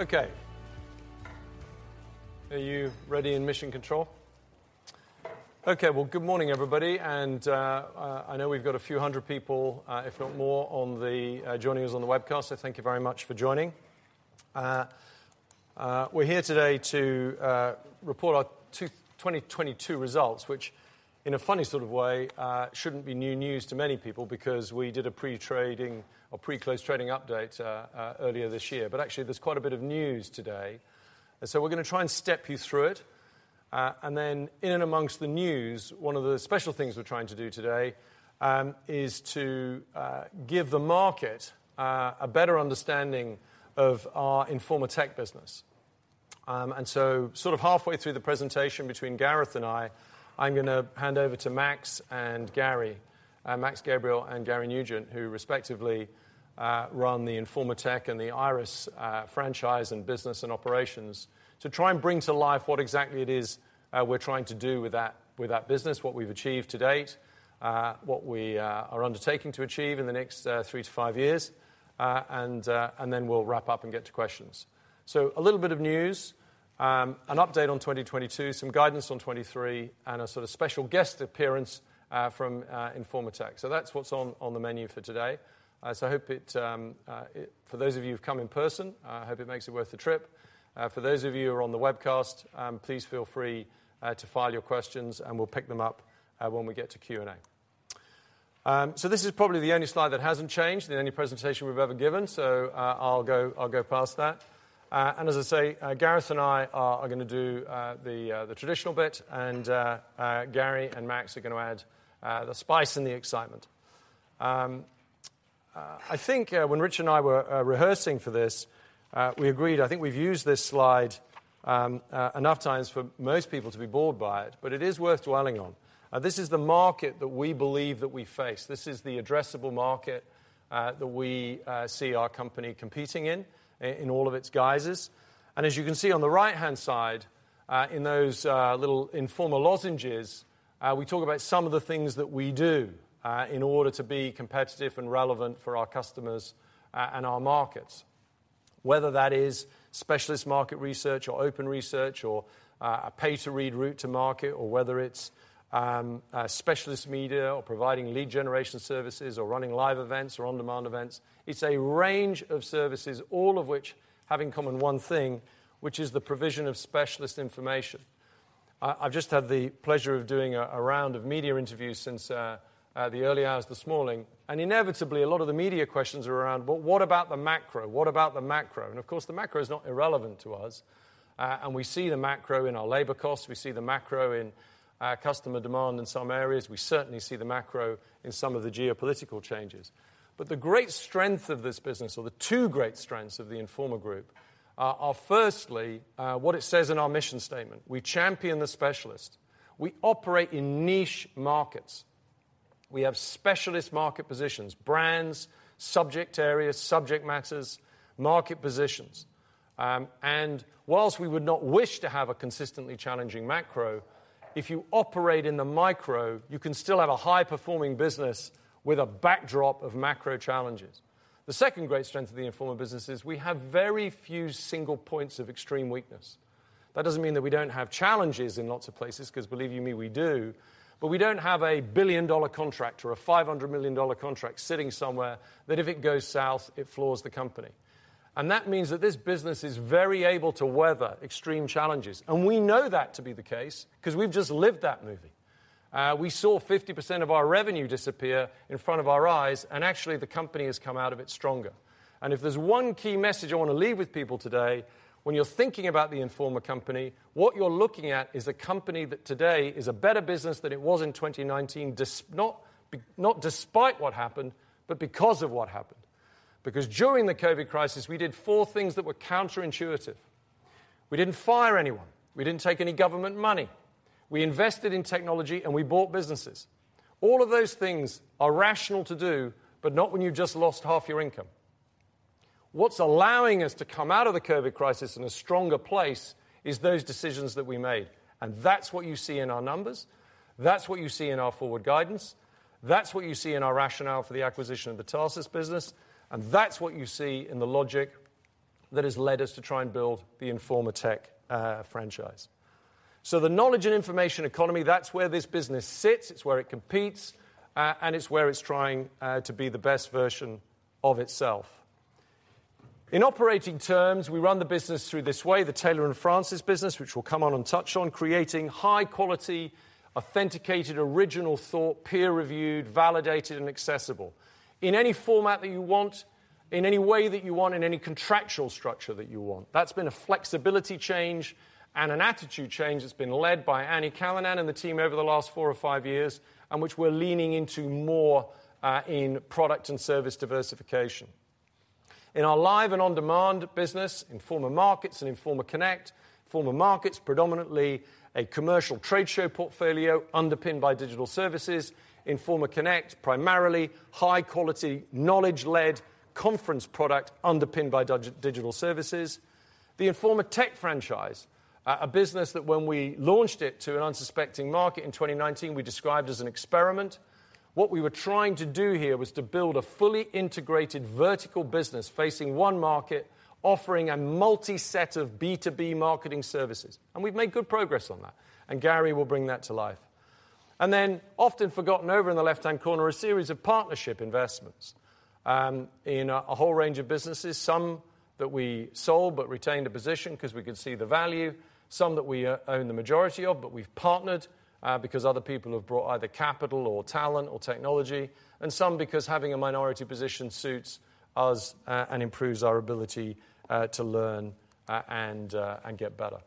Okay. Are you ready in mission control? Good morning, everybody, I know we've got a few hundred people, if not more, joining us on the webcast, so thank you very much for joining. We're here today to report our 2022 results, which in a funny sort of way, shouldn't be new news to many people because we did a pre-trading or pre-close trading update earlier this year. Actually there's quite a bit of news today. We're gonna try and step you through it. In and amongst the news, one of the special things we're trying to do today is to give the market a better understanding of our Informa Tech business. Sort of halfway through the presentation, between Gareth and I'm gonna hand over to Max and Gary, Max Gabriel and Gary Nugent, who respectively run the Informa Tech and the IIRIS franchise and business and operations to try and bring to life what exactly it is we're trying to do with that, with that business, what we've achieved to date, what we are undertaking to achieve in the next three to five years, and then we'll wrap up and get to questions. A little bit of news, an update on 2022, some guidance on 2023, and a sort of special guest appearance from Informa Tech. That's what's on the menu for today. I hope it, for those of you who've come in person, I hope it makes it worth the trip. For those of you who are on the webcast, please feel free to file your questions, and we'll pick them up when we get to Q&A. This is probably the only slide that hasn't changed in any presentation we've ever given. I'll go past that. As I say, Gareth and I are gonna do the traditional bit, and Gary and Max are gonna add the spice and the excitement. I think when Rich and I were rehearsing for this, we agreed, I think we've used this slide enough times for most people to be bored by it, but it is worth dwelling on. This is the market that we believe that we face. This is the addressable market that we see our company competing in all of its guises. As you can see on the right-hand side, in those little Informa lozenges, we talk about some of the things that we do in order to be competitive and relevant for our customers and our markets. Whether that is specialist market research or Open Research or a pay-to-read route to market or whether it's specialist media or providing lead generation services or running live events or on-demand events. It's a range of services, all of which have in common one thing, which is the provision of specialist information. I've just had the pleasure of doing a round of media interviews since the early hours this morning, inevitably a lot of the media questions are around, Well, what about the macro? What about the macro? Of course, the macro is not irrelevant to us. We see the macro in our labor costs. We see the macro in our customer demand in some areas. We certainly see the macro in some of the geopolitical changes. The great strength of this business or the two great strengths of the Informa Group are firstly, what it says in our mission statement. We champion the specialist. We operate in niche markets. We have specialist market positions, brands, subject areas, subject matters, market positions. Whilst we would not wish to have a consistently challenging macro, if you operate in the micro, you can still have a high-performing business with a backdrop of macro challenges. The second great strength of the Informa business is we have very few single points of extreme weakness. That doesn't mean that we don't have challenges in lots of places, 'cause believe you me, we do. We don't have a billion-dollar contract or a 500 million dollar contract sitting somewhere that if it goes south, it floors the company. That means that this business is very able to weather extreme challenges. We know that to be the case 'cause we've just lived that movie. We saw 50% of our revenue disappear in front of our eyes, actually the company has come out of it stronger. If there's one key message I want to leave with people today, when you're thinking about the Informa company, what you're looking at is a company that today is a better business than it was in 2019 not despite what happened, but because of what happened. During the COVID crisis, we did four things that were counterintuitive. We didn't fire anyone. We didn't take any government money. We invested in technology, and we bought businesses. All of those things are rational to do, but not when you've just lost half your income. What's allowing us to come out of the COVID crisis in a stronger place is those decisions that we made, and that's what you see in our numbers. That's what you see in our forward guidance. That's what you see in our rationale for the acquisition of the Tarsus business, and that's what you see in the logic that has led us to try and build the Informa Tech franchise. The knowledge and information economy, that's where this business sits. It's where it competes, and it's where it's trying to be the best version of itself. In operating terms, we run the business through this way, the Taylor & Francis business, which we'll come on and touch on, creating high quality, authenticated, original thought, peer-reviewed, validated, and accessible. In any format that you want, in any way that you want, in any contractual structure that you want. That's been a flexibility change and an attitude change that's been led by Annie Callanan and the team over the last four or five years, which we're leaning into more in product and service diversification. In our live and on-demand business, Informa Markets and Informa Connect, Informa Markets predominantly a commercial trade show portfolio underpinned by digital services. Informa Connect, primarily high quality, knowledge-led conference product underpinned by digital services. The Informa Tech franchise, a business that when we launched it to an unsuspecting market in 2019, we described as an experiment. What we were trying to do here was to build a fully integrated vertical business facing one market, offering a multi-set of B2B marketing services. We've made good progress on that, and Gary will bring that to life. Often forgotten over in the left-hand corner, a series of partnership investments, in a whole range of businesses. Some that we sold but retained a position 'cause we could see the value, some that we own the majority of but we've partnered, because other people have brought either capital or talent or technology, and some because having a minority position suits us, and improves our ability to learn and get better.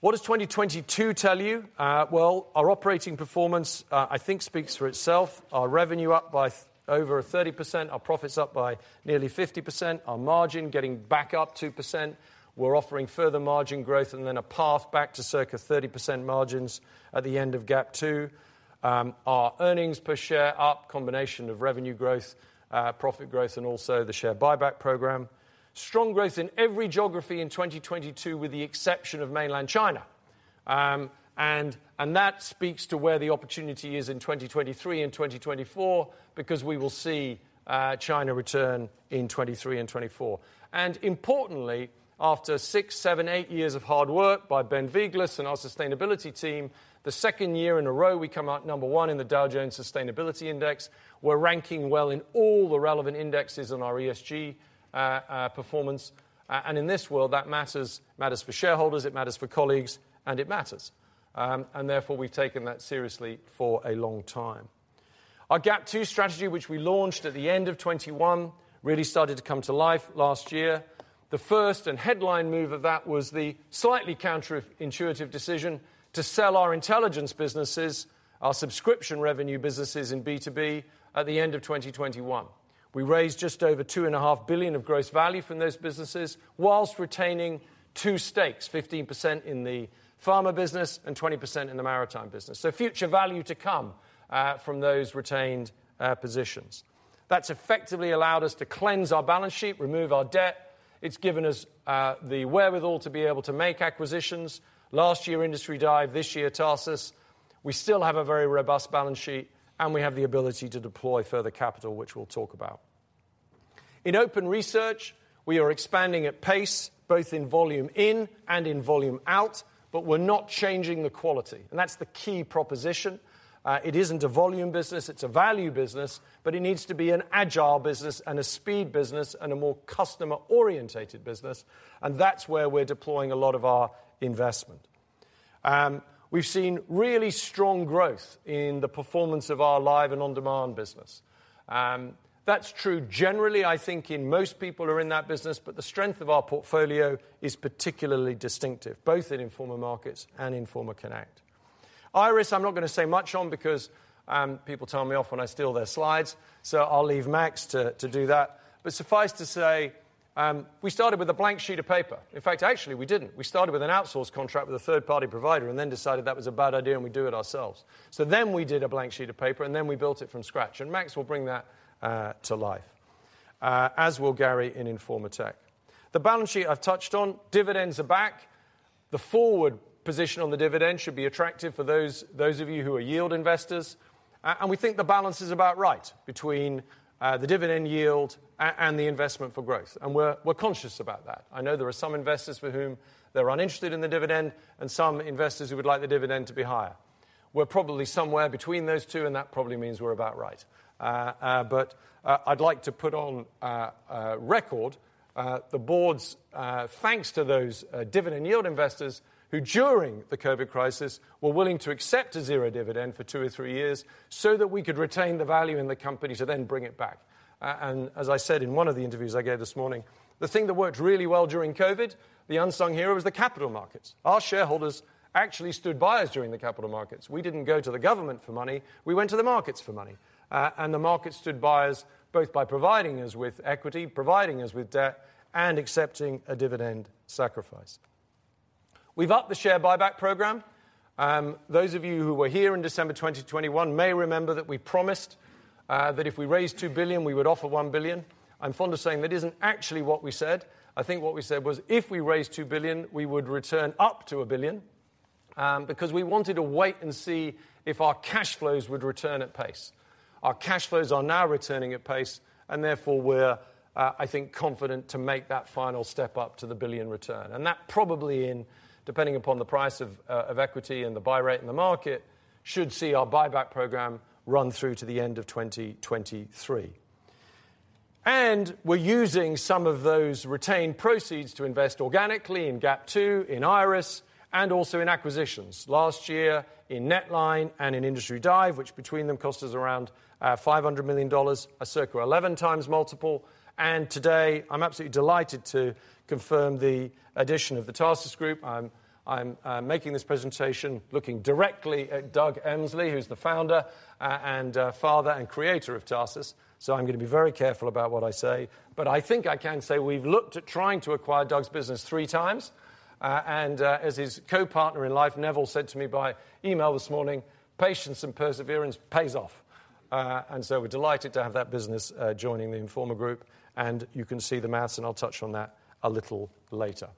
What does 2022 tell you? Well, our operating performance, I think speaks for itself. Our revenue up by over 30%. Our profits up by nearly 50%. Our margin getting back up 2%. We're offering further margin growth and then a path back to circa 30% margins at the end of GAP Two. Our earnings per share up. Combination of revenue growth, profit growth, and also the share buyback program. Strong growth in every geography in 2022, with the exception of Mainland China. That speaks to where the opportunity is in 2023 and 2024 because we will see China return in 2023 and 2024. Importantly, after six, seven, eight years of hard work by Ben Wielgus and our sustainability team, the second year in a row we come out number one in the Dow Jones Sustainability Indices. We're ranking well in all the relevant indexes on our ESG performance. In this world that matters. Matters for shareholders, it matters for colleagues, and it matters. Therefore, we've taken that seriously for a long time. Our GAP Two strategy, which we launched at the end of 2021, really started to come to life last year. The first and headline move of that was the slightly counterintuitive decision to sell our Intelligence Businesses, our subscription revenue businesses in B2B at the end of 2021. We raised just over 2.5 billion of gross value from those businesses whilst retaining two stakes, 15% in the pharma business and 20% in the maritime business. Future value to come from those retained positions. That's effectively allowed us to cleanse our balance sheet, remove our debt. It's given us the wherewithal to be able to make acquisitions. Last year, Industry Dive. This year, Tarsus. We still have a very robust balance sheet, and we have the ability to deploy further capital, which we'll talk about. In Open Research, we are expanding at pace, both in volume in and in volume out, but we're not changing the quality, and that's the key proposition. It isn't a volume business, it's a value business, but it needs to be an agile business and a speed business and a more customer-orientated business, and that's where we're deploying a lot of our investment. We've seen really strong growth in the performance of our live and on-demand business. That's true generally, I think in most people are in that business, but the strength of our portfolio is particularly distinctive both in Informa Markets and Informa Connect. IIRIS, I'm not gonna say much on because people tell me off when I steal their slides, so I'll leave Max to do that. Suffice to say, we started with a blank sheet of paper. In fact, actually we didn't. We started with an outsourced contract with a third-party provider and then decided that was a bad idea and we do it ourselves. We did a blank sheet of paper and then we built it from scratch. Max will bring that to life. As will Gary in Informa Tech. The balance sheet I've touched on. Dividends are back. The forward position on the dividend should be attractive for those of you who are yield investors. We think the balance is about right between the dividend yield and the investment for growth, and we're conscious about that. I know there are some investors for whom they're uninterested in the dividend and some investors who would like the dividend to be higher. We're probably somewhere between those two, and that probably means we're about right. I'd like to put on record the board's thanks to those dividend yield investors who during the COVID crisis were willing to accept a zero dividend for two or three years so that we could retain the value in the company to then bring it back. As I said in one of the interviews I gave this morning, the thing that worked really well during COVID, the unsung hero was the capital markets. Our shareholders actually stood by us during the capital markets. We didn't go to the government for money, we went to the markets for money. The market stood by us both by providing us with equity, providing us with debt, and accepting a dividend sacrifice. We've upped the share buyback program. Those of you who were here in December 2021 may remember that we promised that if we raised 2 billion we would offer 1 billion. I'm fond of saying that isn't actually what we said. I think what we said was if we raised 2 billion we would return up to 1 billion because we wanted to wait and see if our cash flows would return at pace. Our cash flows are now returning at pace and therefore we're I think confident to make that final step up to the 1 billion return. That probably in, depending upon the price of equity and the buy rate in the market, should see our buyback program run through to the end of 2023. We're using some of those retained proceeds to invest organically in GAP 2, in IIRIS, and also in acquisitions. Last year in NetLine and in Industry Dive, which between them cost us around $500 million, a circa 11x multiple. Today I'm absolutely delighted to confirm the addition of the Tarsus Group. I'm making this presentation looking directly at Doug Emslie who's the founder and father and creator of Tarsus. I'm gonna be very careful about what I say. I think I can say we've looked at trying to acquire Doug's business three times. As his co-partner in life, Neville said to me by email this morning, Patience and perseverance pays off. We're delighted to have that business joining the Informa Group. You can see the math and I'll touch on that a little later.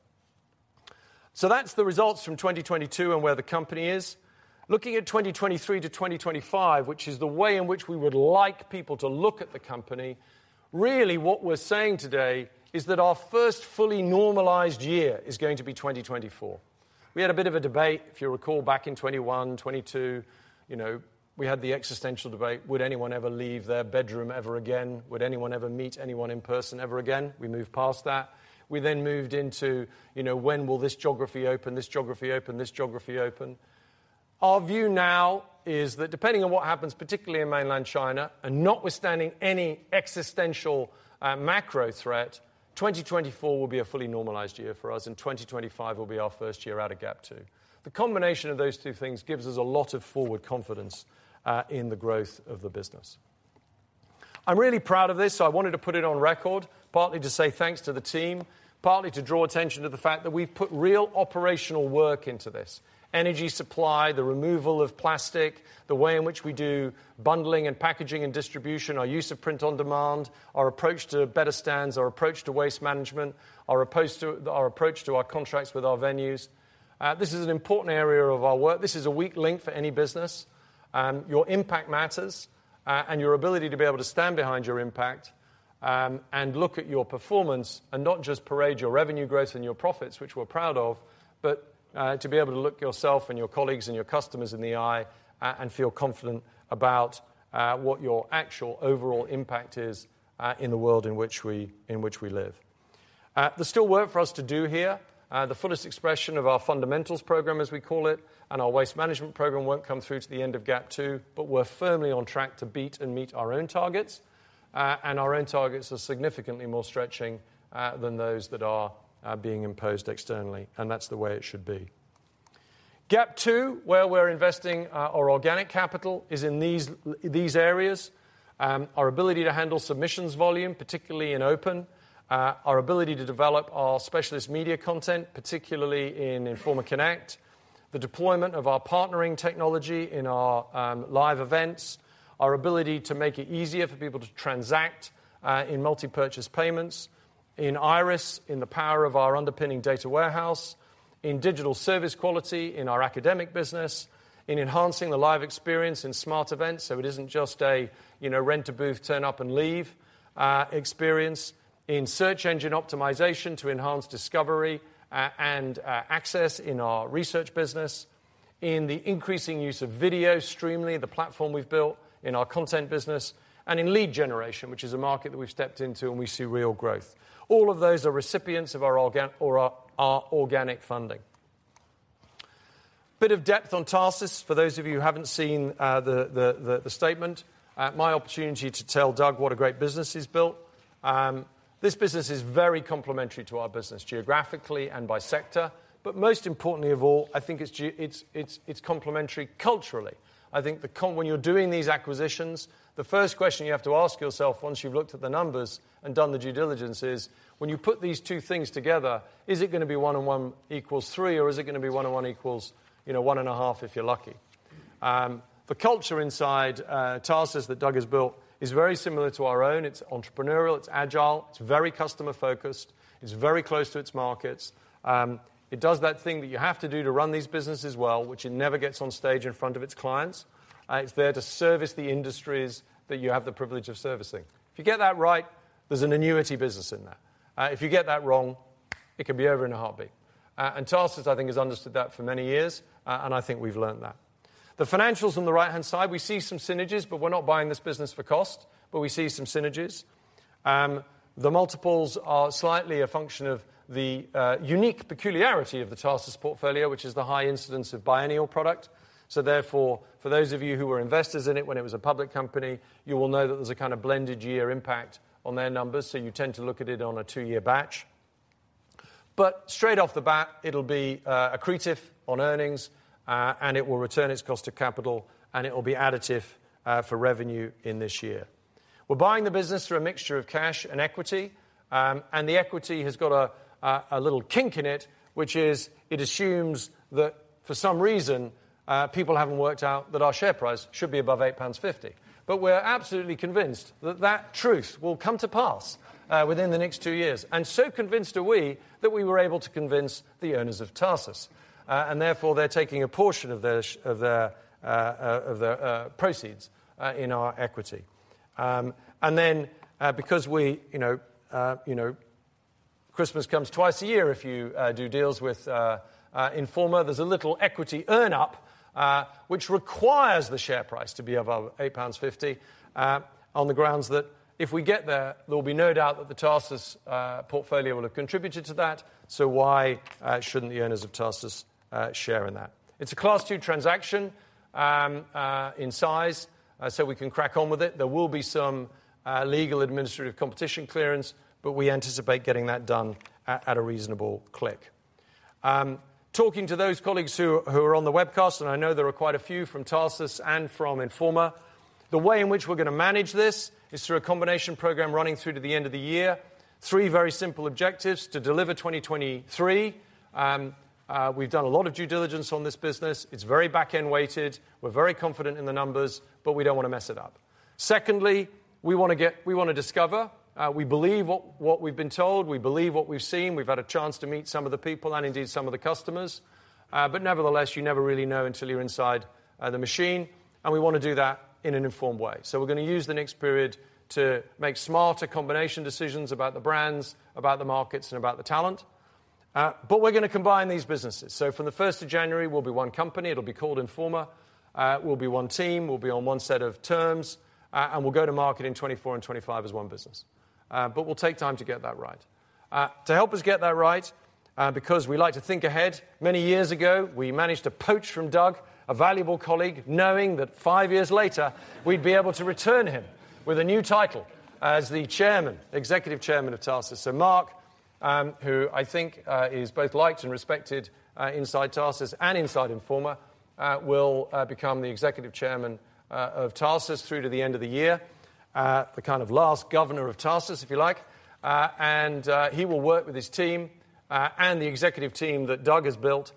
That's the results from 2022 and where the company is. Looking at 2023 to 2025, which is the way in which we would like people to look at the company, really what we're saying today is that our first fully normalized year is going to be 2024. We had a bit of a debate, if you recall, back in 2021, 2022. You know, we had the existential debate, would anyone ever leave their bedroom ever again? Would anyone ever meet anyone in person ever again? We moved past that. We moved into, you know, when will this geography open, this geography open, this geography open? Our view now is that depending on what happens, particularly in mainland China and notwithstanding any existential macro threat, 2024 will be a fully normalized year for us, and 2025 will be our first year out of GAP 2. The combination of those two things gives us a lot of forward confidence in the growth of the business. I'm really proud of this. I wanted to put it on record, partly to say thanks to the team, partly to draw attention to the fact that we've put real operational work into this. Energy supply, the removal of plastic, the way in which we do bundling and packaging and distribution, our use of print on demand, our approach to better stands, our approach to waste management, our approach to our contracts with our venues. This is an important area of our work. This is a weak link for any business. Your impact matters, and your ability to be able to stand behind your impact, and look at your performance and not just parade your revenue growth and your profits, which we're proud of, but to be able to look yourself and your colleagues and your customers in the eye and feel confident about what your actual overall impact is in the world in which we, in which we live. There's still work for us to do here. The fullest expression of our fundamentals program, as we call it, and our waste management program won't come through to the end of GAP 2, but we're firmly on track to beat and meet our own targets. Our own targets are significantly more stretching than those that are being imposed externally, and that's the way it should be. GAP 2, where we're investing our organic capital is in these areas. Our ability to handle submissions volume, particularly in Open. Our ability to develop our specialist media content, particularly in Informa Connect. The deployment of our partnering technology in our live events. Our ability to make it easier for people to transact in multi-purchase payments. In IIRIS, in the power of our underpinning data warehouse. In digital service quality in our academic business. In enhancing the live experience in smart events, so it isn't just a, you know, rent-a-booth, turn-up-and-leave experience. In search engine optimization to enhance discovery and access in our research business. In the increasing use of video streaming, the platform we've built in our content business. In lead generation, which is a market that we've stepped into, and we see real growth. All of those are recipients of our organic funding. Bit of depth on Tarsus for those of you who haven't seen the statement. My opportunity to tell Doug what a great business he's built. This business is very complementary to our business geographically and by sector. Most importantly of all, I think it's complementary culturally. I think when you're doing these acquisitions, the first question you have to ask yourself once you've looked at the numbers and done the due diligence is, when you put these two things together, is it gonna be one on one equals three, or is it gonna be one on one equals, you know, 1.5, if you're lucky? The culture inside Tarsus that Doug has built is very similar to our own. It's entrepreneurial, it's agile, it's very customer-focused, it's very close to its markets. It does that thing that you have to do to run these businesses well, which it never gets on stage in front of its clients. It's there to service the industries that you have the privilege of servicing. If you get that right, there's an annuity business in there. If you get that wrong, it can be over in a heartbeat. Tarsus, I think, has understood that for many years. I think we've learned that. The financials on the right-hand side, we see some synergies, but we're not buying this business for cost, but we see some synergies. The multiples are slightly a function of the unique peculiarity of the Tarsus portfolio, which is the high incidence of biennial product. Therefore, for those of you who were investors in it when it was a public company, you will know that there's a kind of blended year impact on their numbers. You tend to look at it on a two-year batch. Straight off the bat, it'll be accretive on earnings, and it will return its cost of capital, and it will be additive for revenue in this year. We're buying the business through a mixture of cash and equity, and the equity has got a little kink in it, which is it assumes that for some reason, people haven't worked out that our share price should be above 8.50 pounds. We're absolutely convinced that that truth will come to pass within the next two years. Convinced are we that we were able to convince the owners of Tarsus. They're taking a portion of their proceeds in our equity. Because we, you know, you know, Christmas comes twice a year if you do deals with Informa. There's a little equity earn up, which requires the share price to be above 8.50 pounds on the grounds that if we get there will be no doubt that the Tarsus portfolio will have contributed to that. Why shouldn't the owners of Tarsus share in that? It's a Class 2 transaction in size. We can crack on with it. There will be some legal administrative competition clearance, but we anticipate getting that done at a reasonable click. Talking to those colleagues who are on the webcast, and I know there are quite a few from Tarsus and from Informa. The way in which we're gonna manage this is through a combination program running through to the end of the year. Three very simple objectives to deliver 2023. We've done a lot of due diligence on this business. It's very back-end weighted. We're very confident in the numbers, but we don't wanna mess it up. Secondly, we wanna discover. We believe what we've been told. We believe what we've seen. We've had a chance to meet some of the people and indeed some of the customers. Nevertheless, you never really know until you're inside the machine, and we wanna do that in an informed way. We're gonna use the next period to make smarter combination decisions about the brands, about the markets, and about the talent. We're gonna combine these businesses. From the 1st of January, we'll be one company. It'll be called Informa. We'll be one team. We'll be on one set of terms. We'll go to market in 2024 and 2025 as one business. We'll take time to get that right. To help us get that right, because we like to think ahead, many years ago, we managed to poach from Doug a valuable colleague, knowing that five years later we'd be able to return him with a new title as the chairman, Executive Chairman of Tarsus. Mark, who I think is both liked and respected inside Tarsus and inside Informa, will become the Executive Chairman of Tarsus through to the end of the year. The kind of last governor of Tarsus, if you like. He will work with his team and the executive team that Doug has built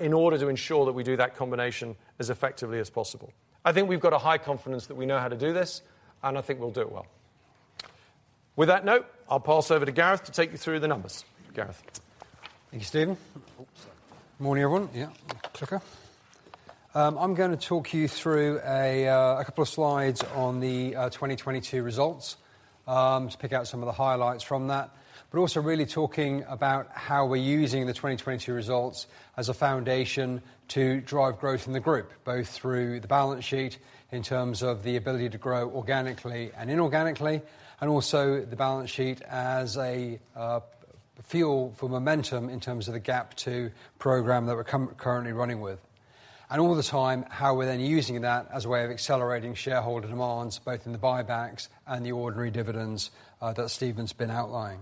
in order to ensure that we do that combination as effectively as possible. I think we've got a high confidence that we know how to do this, and I think we'll do it well. With that note, I'll pass over to Gareth to take you through the numbers. Gareth. Thank you, Stephen. Morning, everyone. Yeah. Clicker. I'm gonna talk you through a couple of slides on the 2022 results to pick out some of the highlights from that, but also really talking about how we're using the 2022 results as a foundation to drive growth in the group, both through the balance sheet in terms of the ability to grow organically and inorganically, and also the balance sheet as a fuel for momentum in terms of the GAP 2 program that we're currently running with. All the time, how we're then using that as a way of accelerating shareholder demands, both in the buybacks and the ordinary dividends that Stephen's been outlining.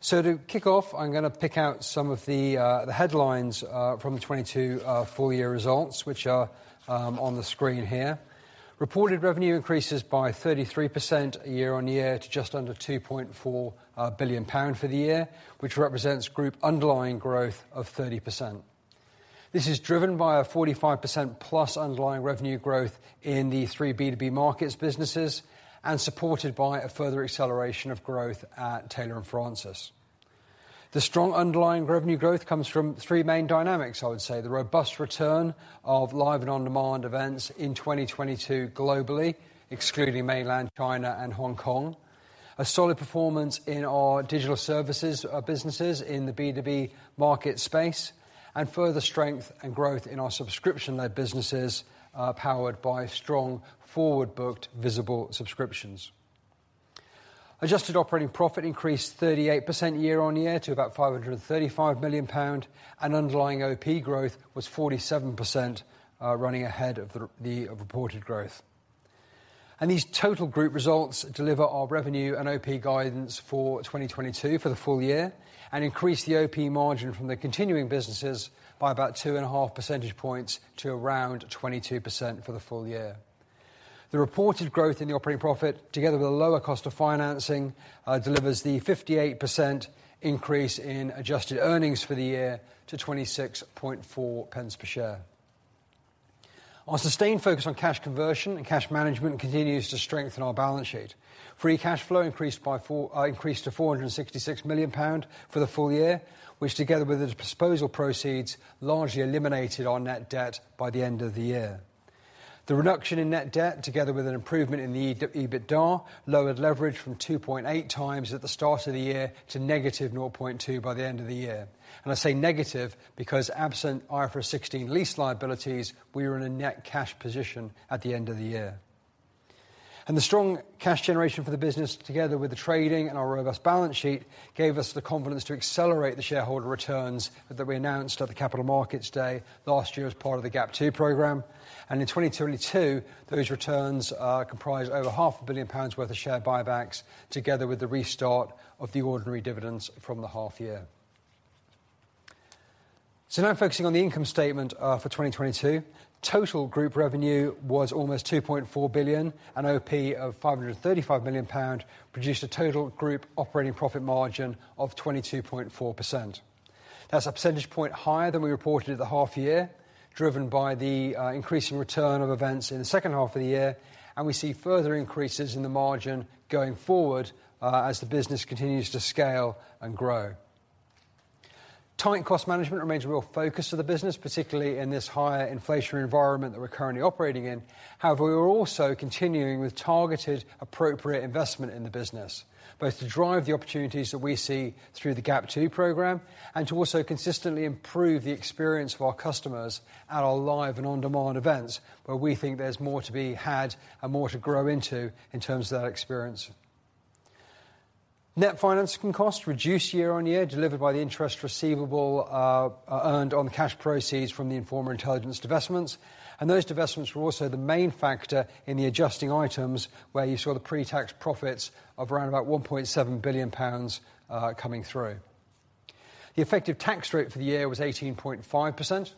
To kick off, I'm gonna pick out some of the headlines from the 2022 full year results, which are on the screen here. Reported revenue increases by 33% year-on-year to just under 2.4 billion pound for the year, which represents group underlying growth of 30%. This is driven by a 45%+ underlying revenue growth in the three B2B markets businesses and supported by a further acceleration of growth at Taylor & Francis. The strong underlying revenue growth comes from three main dynamics, I would say. The robust return of live and on-demand events in 2022 globally, excluding Mainland China and Hong Kong. A solid performance in our digital services businesses in the B2B market space, and further strength and growth in our subscription-led businesses, powered by strong forward-booked visible subscriptions. Adjusted operating profit increased 38% year-on-year to about 535 million pound, underlying OP growth was 47% running ahead of the reported growth. These total Group results deliver our revenue and OP guidance for 2022 for the full year and increase the OP margin from the continuing businesses by about 2.5 percentage points to around 22% for the full year. The reported growth in the operating profit, together with a lower cost of financing, delivers the 58% increase in adjusted earnings for the year to 26.4 pence per share. Our sustained focus on cash conversion and cash management continues to strengthen our balance sheet. Free cash flow increased by four, increased to 466 million pound for the full year, which together with the disposal proceeds, largely eliminated our net debt by the end of the year. The reduction in net debt, together with an improvement in the EBITDA, lowered leverage from 2.8 times at the start of the year to negative 0.2 by the end of the year. I say negative because absent IFRS 16 lease liabilities, we were in a net cash position at the end of the year. The strong cash generation for the business, together with the trading and our robust balance sheet, gave us the confidence to accelerate the shareholder returns that we announced at the Capital Markets Day last year as part of the GAP 2 program. In 2022, those returns comprised over half a billion pounds worth of share buybacks together with the restart of the ordinary dividends from the half year. Now focusing on the income statement for 2022. Total group revenue was almost GBP 2.4 billion, an OP of GBP 535 million produced a total group operating profit margin of 22.4%. That's a percentage point higher than we reported at the half year, driven by the increasing return of events in the second half of the year. We see further increases in the margin going forward as the business continues to scale and grow. Tight cost management remains a real focus of the business, particularly in this higher inflationary environment that we're currently operating in. We're also continuing with targeted appropriate investment in the business, both to drive the opportunities that we see through the GAP 2 program and to also consistently improve the experience of our customers at our live and on-demand events where we think there's more to be had and more to grow into in terms of that experience. Net financing costs reduced year-on-year delivered by the interest receivable earned on the cash proceeds from the Informa Intelligence divestments. Those divestments were also the main factor in the adjusting items where you saw the pre-tax profits of around about 1.7 billion pounds coming through. The effective tax rate for the year was 18.5%.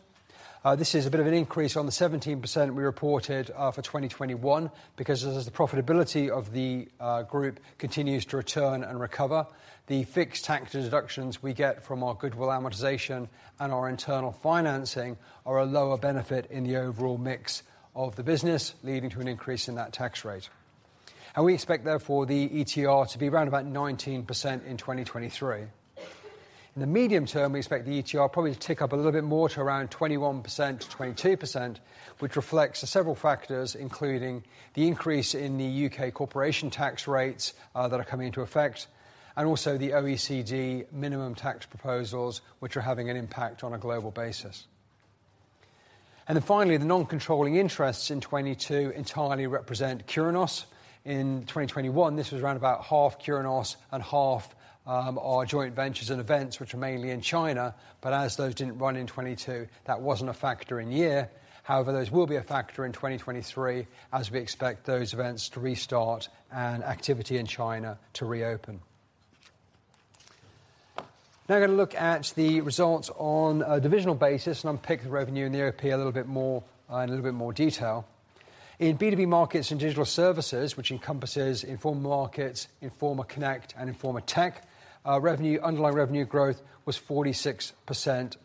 This is a bit of an increase on the 17% we reported for 2021 because as the profitability of the group continues to return and recover, the fixed tax deductions we get from our goodwill amortization and our internal financing are a lower benefit in the overall mix of the business, leading to an increase in that tax rate. We expect therefore the ETR to be around about 19% in 2023. In the medium term, we expect the ETR probably to tick up a little bit more to around 21%-22%, which reflects several factors, including the increase in the UK corporation tax rates that are coming into effect, and also the OECD minimum tax proposals, which are having an impact on a global basis. Finally, the non-controlling interests in 22 entirely represent Curinos. In 2021, this was around about half Curinos and half our joint ventures and events, which are mainly in China. As those didn't run in 2022, that wasn't a factor in year. However, those will be a factor in 2023 as we expect those events to restart and activity in China to reopen. Now we're gonna look at the results on a divisional basis and unpick the revenue and the OP a little bit more in a little bit more detail. In B2B markets and digital services, which encompasses Informa Markets, Informa Connect, and Informa Tech, revenue, underlying revenue growth was 46%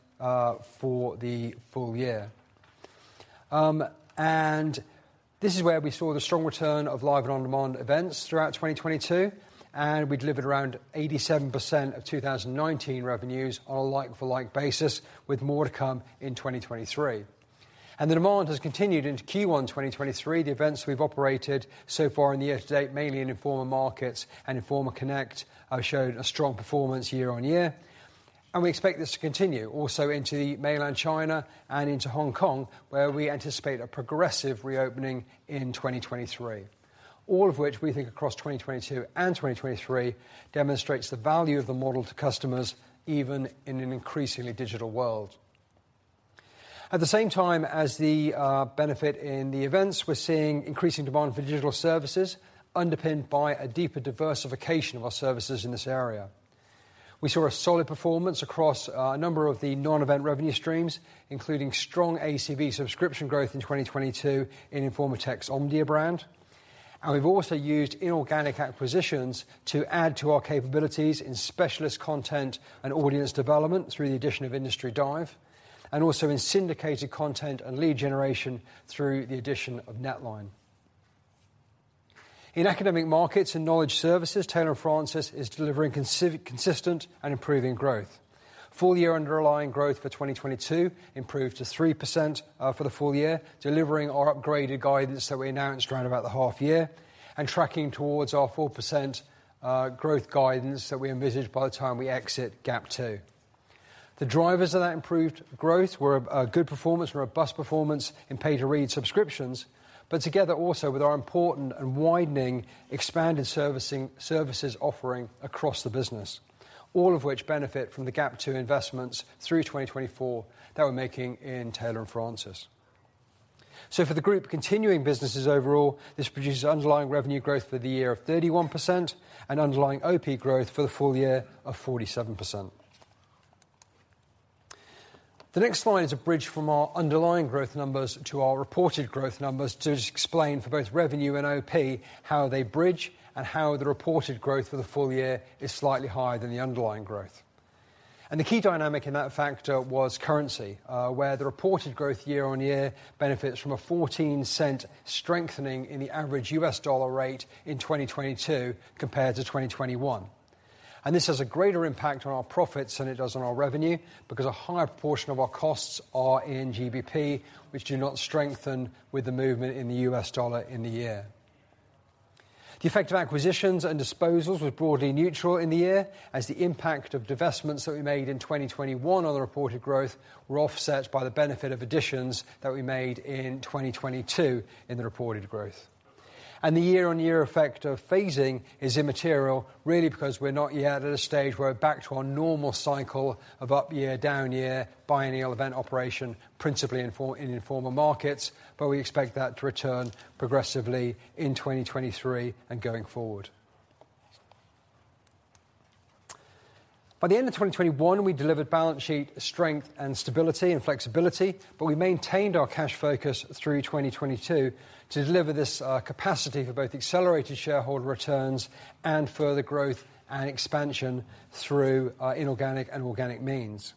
for the full year. This is where we saw the strong return of live and on-demand events throughout 2022, and we delivered around 87% of 2019 revenues on a like-for-like basis with more to come in 2023. The demand has continued into Q1 2023. The events we've operated so far in the year to date, mainly in Informa Markets and Informa Connect, showed a strong performance year on year. We expect this to continue also into the mainland China and into Hong Kong, where we anticipate a progressive reopening in 2023. All of which we think across 2022 and 2023 demonstrates the value of the model to customers even in an increasingly digital world. At the same time as the benefit in the events, we're seeing increasing demand for digital services underpinned by a deeper diversification of our services in this area. We saw a solid performance across a number of the non-event revenue streams, including strong ACV subscription growth in 2022 in Informa Tech's Omdia brand. We've also used inorganic acquisitions to add to our capabilities in specialist content and audience development through the addition of Industry Dive and also in syndicated content and lead generation through the addition of NetLine. In academic markets and knowledge services, Taylor & Francis is delivering consistent and improving growth. Full year underlying growth for 2022 improved to 3% for the full year, delivering our upgraded guidance that we announced around about the half year and tracking towards our 4% growth guidance that we envisaged by the time we exit GAP 2. The drivers of that improved growth were a good performance and robust performance in pay to read subscriptions, together also with our important and widening expanded servicing, services offering across the business, all of which benefit from the GAP 2 investments through 2024 that we're making in Taylor & Francis. For the group continuing businesses overall, this produces underlying revenue growth for the year of 31% and underlying OP growth for the full year of 47%. The next slide is a bridge from our underlying growth numbers to our reported growth numbers to just explain for both revenue and OP how they bridge and how the reported growth for the full year is slightly higher than the underlying growth. The key dynamic in that factor was currency, where the reported growth year-on-year benefits from GBP 0.14 cent strengthening in the average US dollar rate in 2022 compared to 2021. This has a greater impact on our profits than it does on our revenue because a higher proportion of our costs are in GBP, which do not strengthen with the movement in the US dollar in the year. The effect of acquisitions and disposals was broadly neutral in the year as the impact of divestments that we made in 2021 on the reported growth were offset by the benefit of additions that we made in 2022 in the reported growth. The year-over-year effect of phasing is immaterial, really because we're not yet at a stage where we're back to our normal cycle of up year, down year, biennial event operation, principally in Informa Markets, but we expect that to return progressively in 2023 and going forward. By the end of 2021, we delivered balance sheet strength and stability and flexibility, but we maintained our cash focus through 2022 to deliver this capacity for both accelerated shareholder returns and further growth and expansion through inorganic and organic means.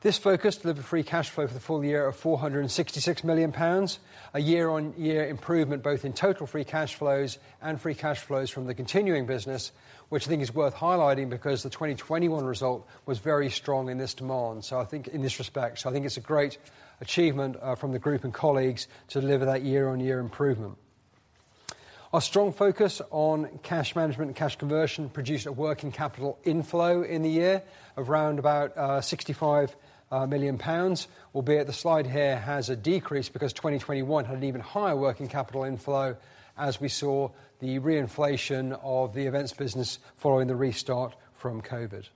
This focus delivered free cash flow for the full year of 466 million pounds, a year-over-year improvement, both in total free cash flows and free cash flows from the continuing business, which I think is worth highlighting because the 2021 result was very strong in this demand. I think in this respect. I think it's a great achievement from the group and colleagues to deliver that year-over-year improvement. Our strong focus on cash management and cash conversion produced a working capital inflow in the year of round about 65 million pounds, albeit the slide here has a decrease because 2021 had an even higher working capital inflow as we saw the reinflation of the events business following the restart from COVID.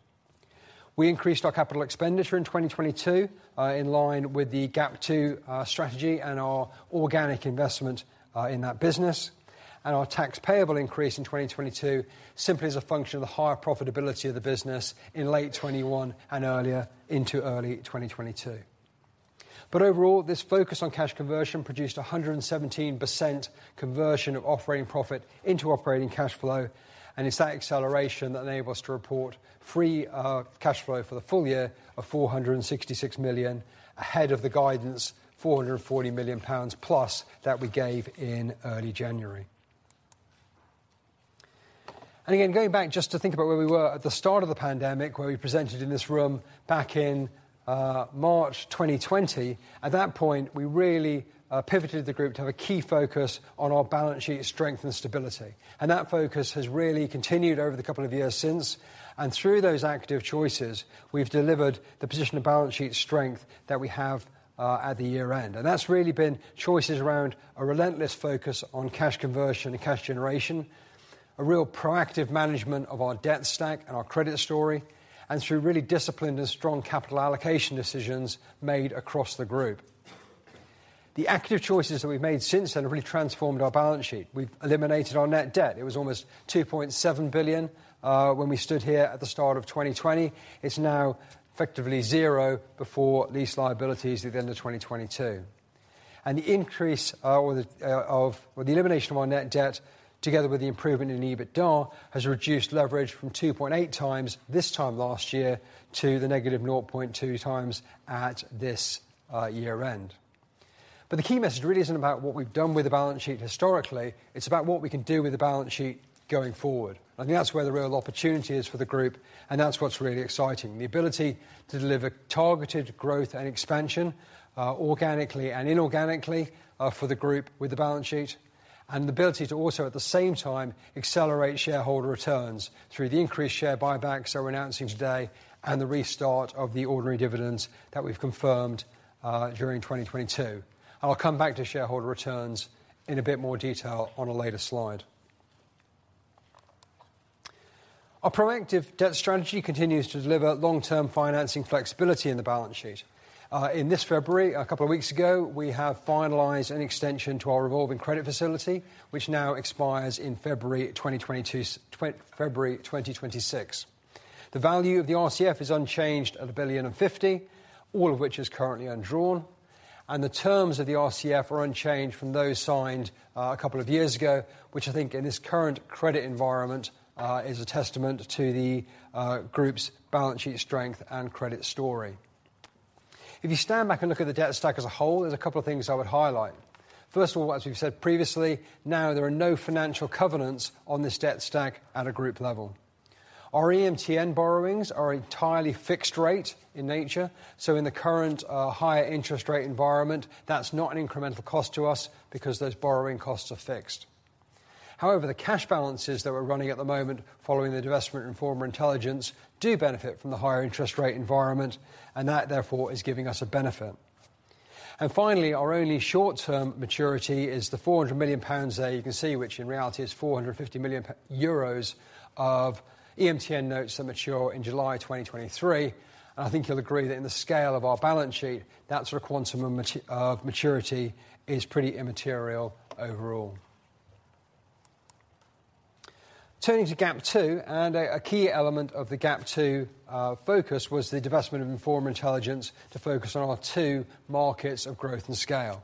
We increased our capital expenditure in 2022, in line with the GAP 2 strategy and our organic investment in that business. Our tax payable increase in 2022 simply as a function of the higher profitability of the business in late 2021 and earlier into early 2022. Overall, this focus on cash conversion produced 117% conversion of operating profit into operating cash flow, and it's that acceleration that enabled us to report free cash flow for the full year of 466 million ahead of the guidance, 440 million pounds plus that we gave in early January. Again, going back just to think about where we were at the start of the pandemic, where we presented in this room back in March 2020. At that point, we really pivoted the group to have a key focus on our balance sheet strength and stability. That focus has really continued over the couple of years since. Through those active choices, we've delivered the position of balance sheet strength that we have at the year-end. That's really been choices around a relentless focus on cash conversion and cash generation. A real proactive management of our debt stack and our credit story, and through really disciplined and strong capital allocation decisions made across the group. The active choices that we've made since then have really transformed our balance sheet. We've eliminated our net debt. It was almost 2.7 billion when we stood here at the start of 2020. It's now effectively zero before lease liabilities at the end of 2022. The increase with the elimination of our net debt together with the improvement in EBITDA has reduced leverage from 2.8 times this time last year to the negative 0.2 times at this year-end. The key message really isn't about what we've done with the balance sheet historically. It's about what we can do with the balance sheet going forward. I think that's where the real opportunity is for the group, and that's what's really exciting. The ability to deliver targeted growth and expansion organically and inorganically for the group with the balance sheet. The ability to also, at the same time, accelerate shareholder returns through the increased share buybacks that we're announcing today and the restart of the ordinary dividends that we've confirmed during 2022. I'll come back to shareholder returns in a bit more detail on a later slide. Our proactive debt strategy continues to deliver long-term financing flexibility in the balance sheet. In this February, a couple of weeks ago, we have finalized an extension to our revolving credit facility, which now expires in February 2026. The value of the RCF is unchanged at 1.05 billion, all of which is currently undrawn. The terms of the RCF are unchanged from those signed, a couple of years ago, which I think in this current credit environment, is a testament to the Group's balance sheet strength and credit story. If you stand back and look at the debt stack as a whole, there's a couple of things I would highlight. First of all, as we've said previously, now there are no financial covenants on this debt stack at a group level. Our EMTN borrowings are entirely fixed rate in nature. In the current higher interest rate environment, that's not an incremental cost to us because those borrowing costs are fixed. However, the cash balances that we're running at the moment following the divestment in Informa Intelligence, do benefit from the higher interest rate environment, and that, therefore, is giving us a benefit. Finally, our only short-term maturity is the 400 million pounds there you can see which in reality is 450 million euros of EMTN notes that mature in July 2023. I think you'll agree that in the scale of our balance sheet, that sort of quantum of maturity is pretty immaterial overall. Turning to GAP 2, a key element of the GAP 2 focus was the divestment of Informa Intelligence to focus on our two markets of growth and scale.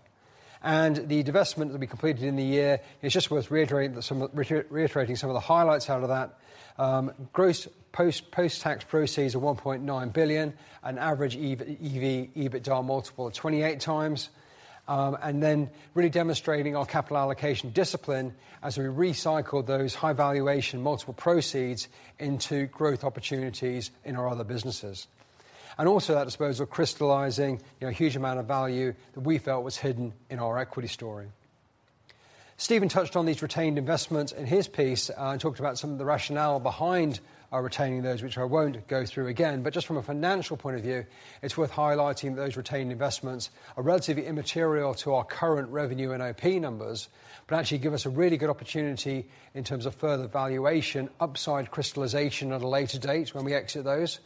The divestment that we completed in the year, it's just worth reiterating some of the highlights out of that. Gross post-tax proceeds of 1.9 billion. An average EV/EBITDA multiple of 28 times. Really demonstrating our capital allocation discipline as we recycle those high valuation multiple proceeds into growth opportunities in our other businesses. Also at a disposal crystallizing, you know, a huge amount of value that we felt was hidden in our equity story. Stephen touched on these retained investments in his piece, and talked about some of the rationale behind retaining those, which I won't go through again. Just from a financial point of view, it's worth highlighting those retained investments are relatively immaterial to our current revenue and IP numbers, but actually give us a really good opportunity in terms of further valuation, upside crystallization at a later date when we exit those.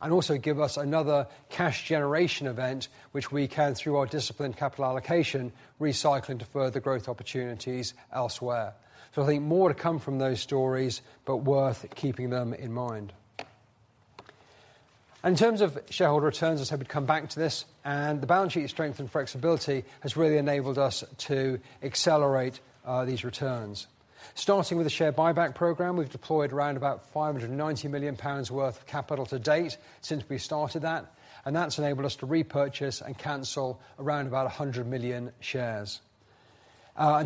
Also give us another cash generation event which we can, through our disciplined capital allocation, recycle into further growth opportunities elsewhere. I think more to come from those stories, but worth keeping them in mind. In terms of shareholder returns, I said we'd come back to this. The balance sheet strength and flexibility has really enabled us to accelerate these returns. Starting with the share buyback program, we've deployed around about 590 million pounds worth of capital to date since we started that. That's enabled us to repurchase and cancel around about 100 million shares.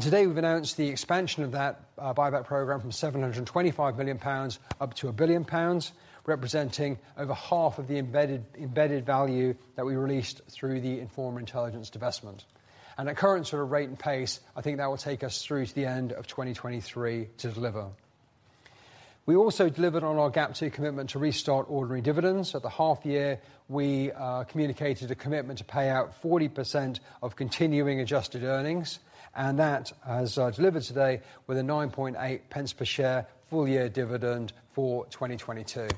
Today we've announced the expansion of that buyback program from 725 million pounds up to 1 billion pounds, representing over half of the embedded value that we released through the Informa Intelligence divestment. At current sort of rate and pace, I think that will take us through to the end of 2023 to deliver. We also delivered on our GAP 2 commitment to restart ordinary dividends. At the half year, we communicated a commitment to pay out 40% of continuing adjusted earnings, and that as delivered today with a 0.098 per share full-year dividend for 2022.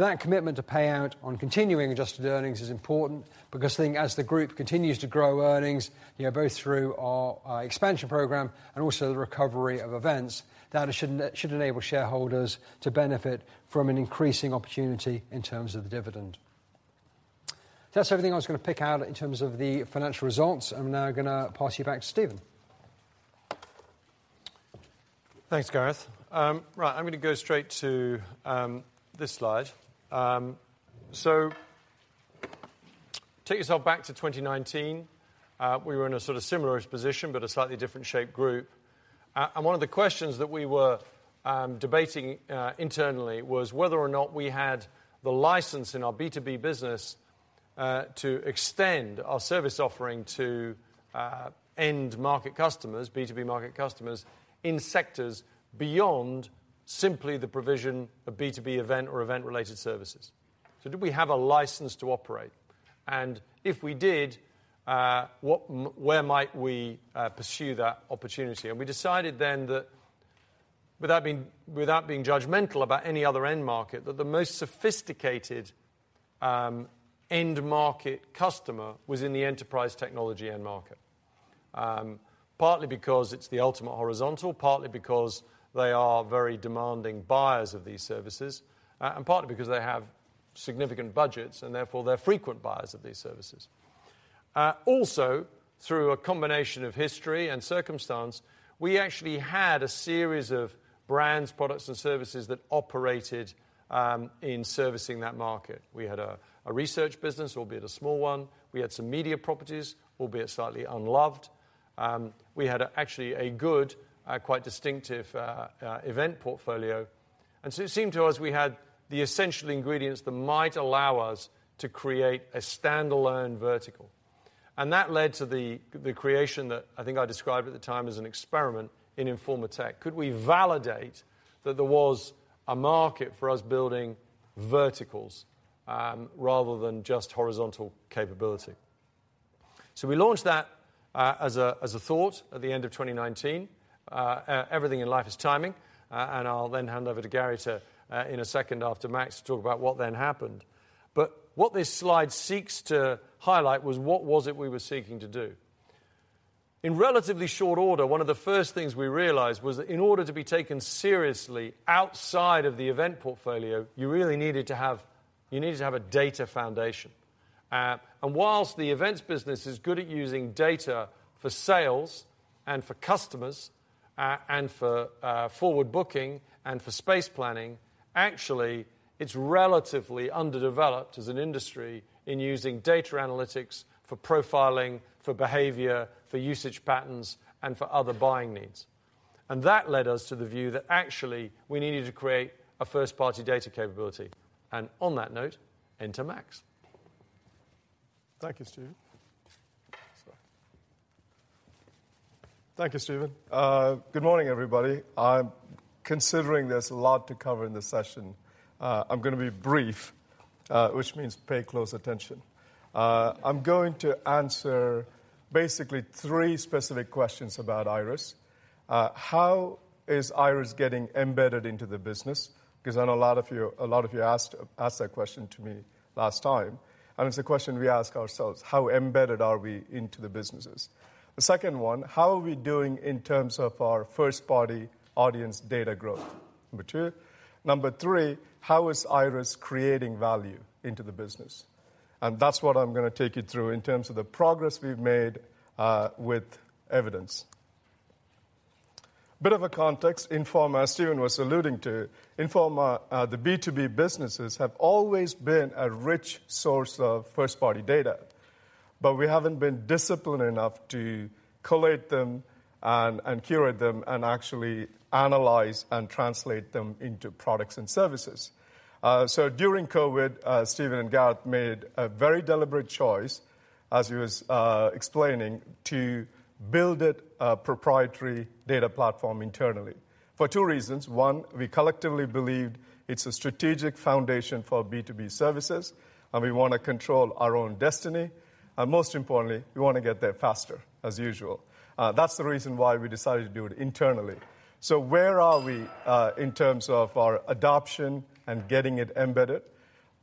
That commitment to pay out on continuing adjusted earnings is important because I think as the group continues to grow earnings, you know, both through our expansion program and also the recovery of events, that should enable shareholders to benefit from an increasing opportunity in terms of the dividend. That's everything I was gonna pick out in terms of the financial results. I'm now gonna pass you back to Stephen. Thanks, Gareth. Right. I'm gonna go straight to this slide. Take yourself back to 2019. We were in a sort of similar position, but a slightly different shape group. One of the questions that we were debating internally was whether or not we had the license in our B2B business to extend our service offering to end market customers, B2B market customers, in sectors beyond simply the provision of B2B event or event-related services. Did we have a license to operate? If we did, where might we pursue that opportunity? We decided then that without being judgmental about any other end market, that the most sophisticated end market customer was in the enterprise technology end market. Partly because it's the ultimate horizontal, partly because they are very demanding buyers of these services, and partly because they have significant budgets, and therefore they're frequent buyers of these services. Also through a combination of history and circumstance, we actually had a series of brands, products, and services that operated in servicing that market. We had a research business, albeit a small one. We had some media properties, albeit slightly unloved. We had actually a good, quite distinctive event portfolio. It seemed to us we had the essential ingredients that might allow us to create a standalone vertical. That led to the creation that I think I described at the time as an experiment in Informa Tech. Could we validate that there was a market for us building verticals, rather than just horizontal capability? We launched that as a thought at the end of 2019. Everything in life is timing. I'll then hand over to Gary in a second after Max to talk about what then happened. What this slide seeks to highlight was what was it we were seeking to do. In relatively short order, one of the first things we realized was that in order to be taken seriously outside of the event portfolio, you really needed to have a data foundation. Whilst the events business is good at using data for sales and for customers, and for forward booking and for space planning, actually, it's relatively underdeveloped as an industry in using data analytics for profiling, for behavior, for usage patterns, and for other buying needs. That led us to the view that actually we needed to create a first-party data capability. On that note, enter Max. Thank you, Stephen. Good morning, everybody. Considering there's a lot to cover in this session, I'm gonna be brief, which means pay close attention. I'm going to answer basically three specific questions about IIRIS. How is IIRIS getting embedded into the business? 'Cause I know a lot of you asked that question to me last time, and it's a question we ask ourselves: how embedded are we into the businesses? The second one, how are we doing in terms of our first-party audience data growth? Number two. Number three, how is IIRIS creating value into the business? That's what I'm gonna take you through in terms of the progress we've made with evidence. Bit of a context. Informa, Stephen was alluding to Informa, the B2B businesses have always been a rich source of first-party data. But we haven't been disciplined enough to collate them and curate them and actually analyze and translate them into products and services. During COVID, Stephen and Gareth made a very deliberate choice, as he was explaining, to build a proprietary data platform internally for two reasons. One, we collectively believed it's a strategic foundation for B2B services, and we wanna control our own destiny. Most importantly, we wanna get there faster as usual. That's the reason why we decided to do it internally. Where are we in terms of our adoption and getting it embedded?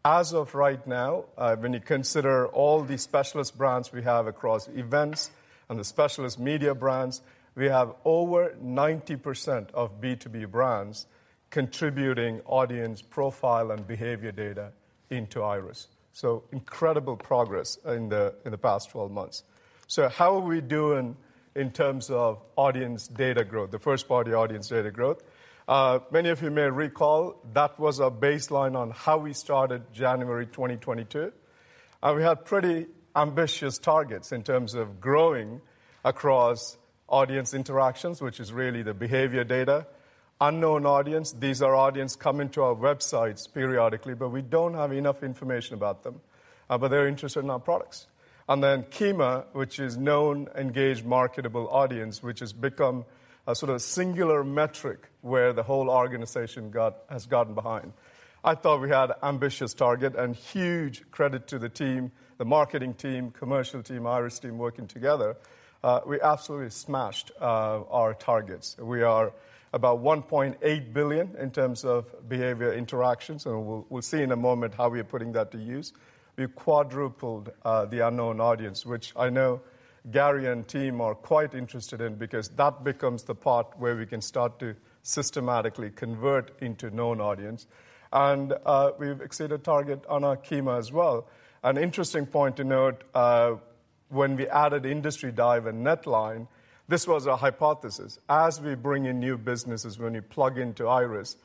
As of right now, when you consider all the specialist brands we have across events and the specialist media brands, we have over 90% of B2B brands contributing audience profile and behavior data into IIRIS. Incredible progress in the, in the past 12 months. How are we doing in terms of audience data growth? The first-party audience data growth. Many of you may recall that was our baseline on how we started January 2022. We had pretty ambitious targets in terms of growing across audience interactions, which is really the behavior data. Unknown audience, these are audience coming to our websites periodically, but we don't have enough information about them. They're interested in our products. MA, which is known engaged marketable audience, which has become a sort of singular metric where the whole organization has gotten behind. I thought we had ambitious target and huge credit to the team, the marketing team, commercial team, IIRIS team working together. We absolutely smashed our targets. We are about 1.8 billion in terms of behavior interactions, and we'll see in a moment how we are putting that to use. We've quadrupled the unknown audience, which I know Gary and team are quite interested in because that becomes the part where we can start to systematically convert into known audience. We've exceeded target on our KEMA as well. An interesting point to note. When we added Industry Dive and NetLine, this was a hypothesis. As we bring in new businesses, when you plug into IIRIS,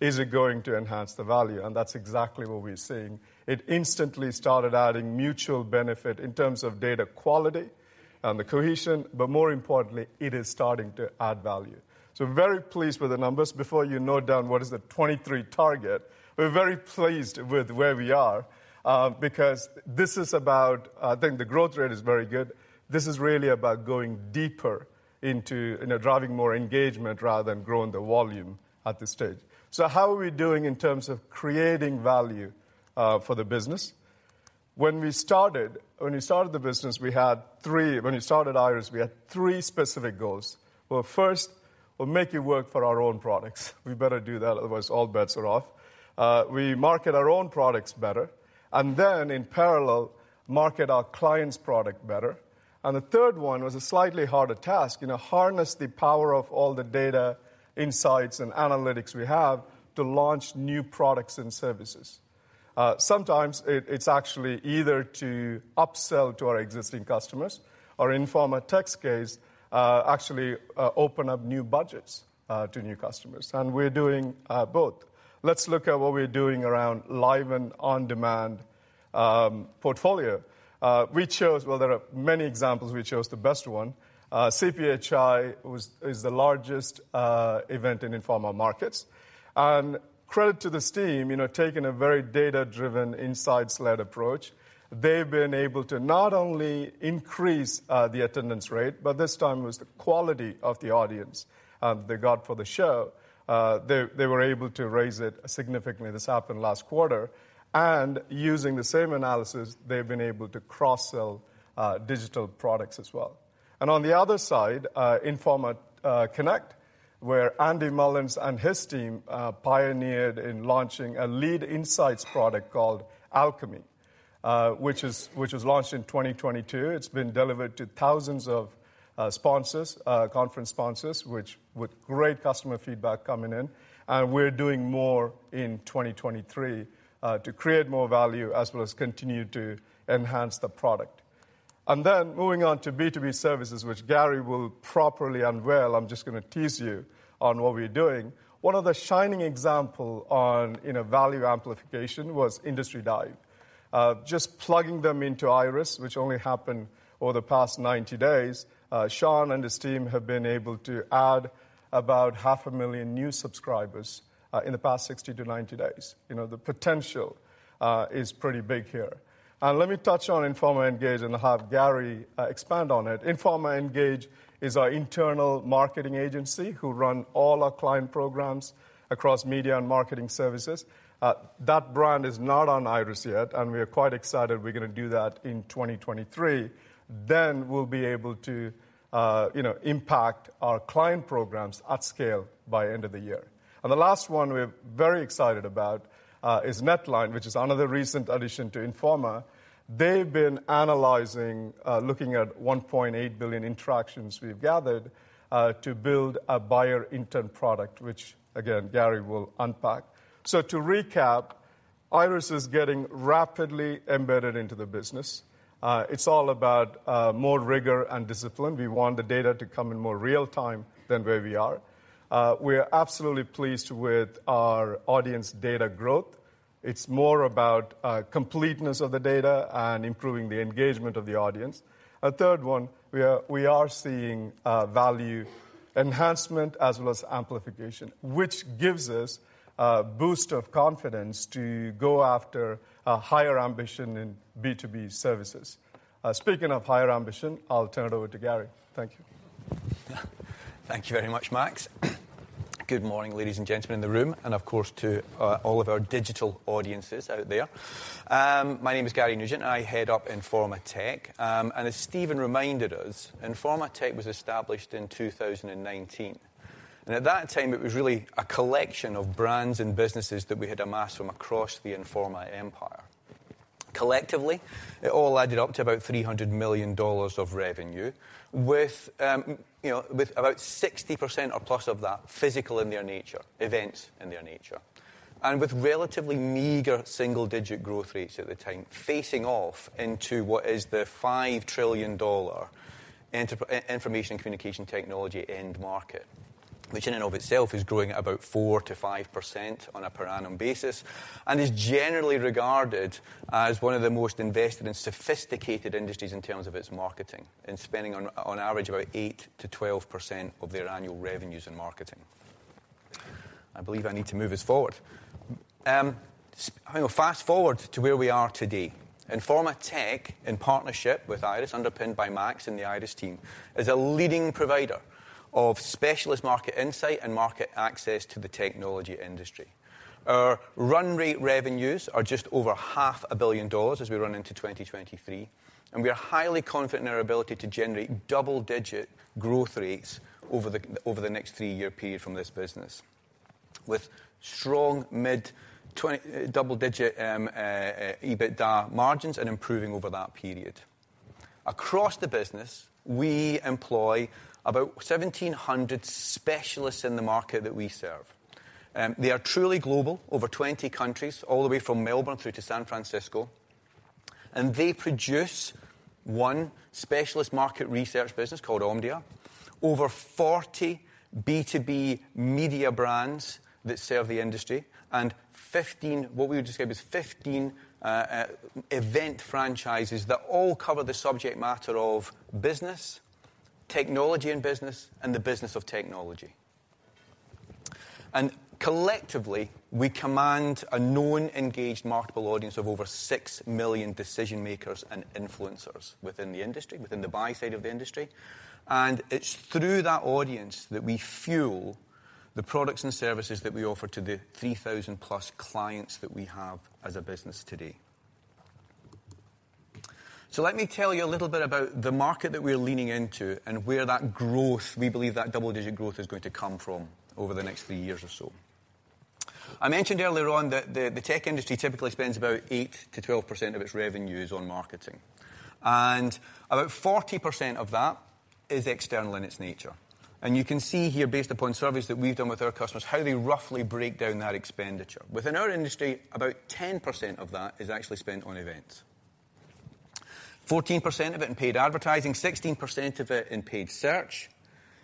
is it going to enhance the value? That's exactly what we're seeing. It instantly started adding mutual benefit in terms of data quality and the cohesion, but more importantly, it is starting to add value. Very pleased with the numbers. Before you note down what is the 23 target, we're very pleased with where we are, because this is about, I think the growth rate is very good. This is really about going deeper into, you know, driving more engagement rather than growing the volume at this stage. How are we doing in terms of creating value for the business? When we started the business, we had three specific goals. When we started IIRIS, we had three specific goals. First, we'll make it work for our own products. We better do that, otherwise all bets are off. We market our own products better, and then in parallel, market our client's product better. The third one was a slightly harder task, you know, harness the power of all the data insights and analytics we have to launch new products and services. Sometimes it's actually either to upsell to our existing customers or Informa Tech's case, actually open up new budgets to new customers. We're doing both. Let's look at what we're doing around live and on-demand portfolio. Well, there are many examples, we chose the best one. CPHI is the largest event in Informa Markets. Credit to this team, you know, taking a very data-driven, insight-led approach, they've been able to not only increase the attendance rate, but this time it was the quality of the audience they got for the show. They were able to raise it significantly. This happened last quarter. Using the same analysis, they've been able to cross-sell digital products as well. On the other side, Informa Connect, where Andrew Mullins and his team pioneered in launching a lead insights product called Alchemy, which was launched in 2022. It's been delivered to thousands of sponsors, conference sponsors, which with great customer feedback coming in, and we're doing more in 2023 to create more value as well as continue to enhance the product. Moving on to B2B services, which Gary will properly unveil. I'm just gonna tease you on what we're doing. One of the shining example in a value amplification was Industry Dive. Just plugging them into IIRIS, which only happened over the past 90 days, Sean and his team have been able to add about half a million new subscribers in the past 60 to 90 days. You know, the potential is pretty big here. Let me touch on Informa Engage and have Gary expand on it. Informa Engage is our internal marketing agency who run all our client programs across media and marketing services. That brand is not on IIRIS yet, and we are quite excited we're gonna do that in 2023. We'll be able to, you know, impact our client programs at scale by end of the year. The last one we're very excited about is NetLine, which is another recent addition to Informa. They've been analyzing, looking at 1.8 billion interactions we've gathered, to build a buyer intent product, which again, Gary will unpack. To recap, IIRIS is getting rapidly embedded into the business. It's all about more rigor and discipline. We want the data to come in more real-time than where we are. We are absolutely pleased with our audience data growth. It's more about completeness of the data and improving the engagement of the audience. A third one, we are seeing value enhancement as well as amplification, which gives us a boost of confidence to go after a higher ambition in B2B services. Speaking of higher ambition, I'll turn it over to Gary. Thank you. Thank you very much, Max. Good morning, ladies and gentlemen in the room, and of course, to all of our digital audiences out there. My name is Gary Nugent, and I head up Informa Tech. As Stephen reminded us, Informa Tech was established in 2019. At that time, it was really a collection of brands and businesses that we had amassed from across the Informa empire. Collectively, it all added up to about $300 million of revenue with, you know, with about 60% or plus of that physical in their nature, events in their nature. With relatively meager single-digit growth rates at the time, facing off into what is the $5 trillion information communication technology end market, which in and of itself is growing at about 4%-5% on a per annum basis, and is generally regarded as one of the most invested and sophisticated industries in terms of its marketing and spending on average about 8%-12% of their annual revenues in marketing. I believe I need to move us forward. Hang on. Fast-forward to where we are today. Informa Tech, in partnership with IIRIS, underpinned by Max and the IIRIS team, is a leading provider of specialist market insight and market access to the technology industry. Our run rate revenues are just over half a billion dollars as we run into 2023, and we are highly confident in our ability to generate double-digit growth rates over the next three-year period from this business. With strong mid-double-digit EBITDA margins and improving over that period. Across the business, we employ about 1,700 specialists in the market that we serve. They are truly global, over 20 countries, all the way from Melbourne through to San Francisco. They produce one specialist market research business called Omdia, over 40 B2B media brands that serve the industry and 15, what we would describe as 15 event franchises that all cover the subject matter of business, technology and business, and the business of technology. Collectively, we command a known engaged marketable audience of over six million decision makers and influencers within the industry, within the buy side of the industry. It's through that audience that we fuel the products and services that we offer to the 3,000 plus clients that we have as a business today. Let me tell you a little bit about the market that we're leaning into and where that growth, we believe that double-digit growth is going to come from over the next three years or so. I mentioned earlier on that the tech industry typically spends about 8%-12% of its revenues on marketing, and about 40% of that is external in its nature. You can see here, based upon surveys that we've done with our customers, how they roughly break down that expenditure. Within our industry, about 10% of that is actually spent on events. 14% of it in paid advertising, 16% of it in paid search,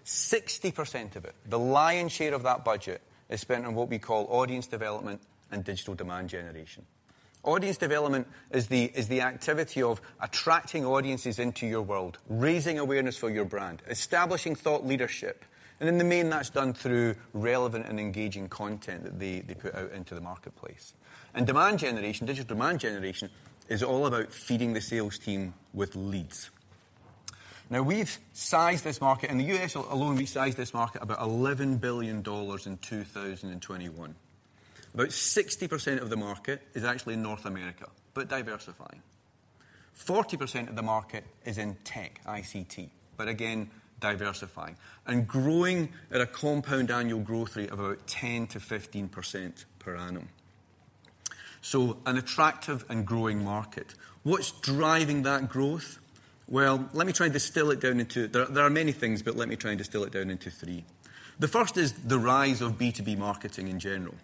60% of it, the lion's share of that budget is spent on what we call audience development and digital demand generation. Audience development is the activity of attracting audiences into your world, raising awareness for your brand, establishing thought leadership, and in the main that's done through relevant and engaging content that they put out into the marketplace. Demand generation, digital demand generation is all about feeding the sales team with leads. Now we've sized this market. In the U.S. alone, we sized this market about $11 billion in 2021. About 60% of the market is actually in North America, but diversifying. 40% of the market is in tech, ICT. Again, diversifying and growing at a compound annual growth rate of about 10%-15% per annum. An attractive and growing market. What's driving that growth? Well, let me try and distill it down into three. The first is the rise of B2B marketing in general.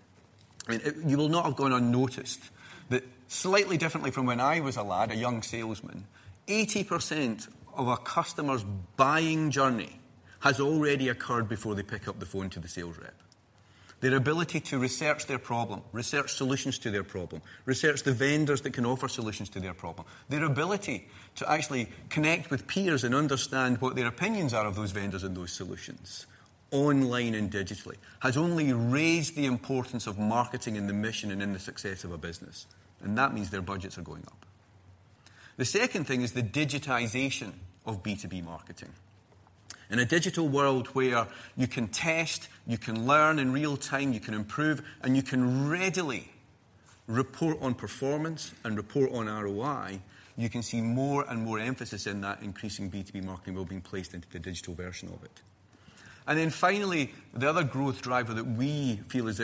You will not have gone unnoticed that slightly differently from when I was a lad, a young salesman, 80% of a customer's buying journey has already occurred before they pick up the phone to the sales rep. Their ability to research their problem, research solutions to their problem, research the vendors that can offer solutions to their problem, their ability to actually connect with peers and understand what their opinions are of those vendors and those solutions online and digitally has only raised the importance of marketing in the mission and in the success of a business. That means their budgets are going up. The second thing is the digitization of B2B marketing. In a digital world where you can test, you can learn in real time, you can improve, and you can readily report on performance and report on ROI, you can see more and more emphasis in that increasing B2B marketing world being placed into the digital version of it. Finally, the other growth driver that we feel is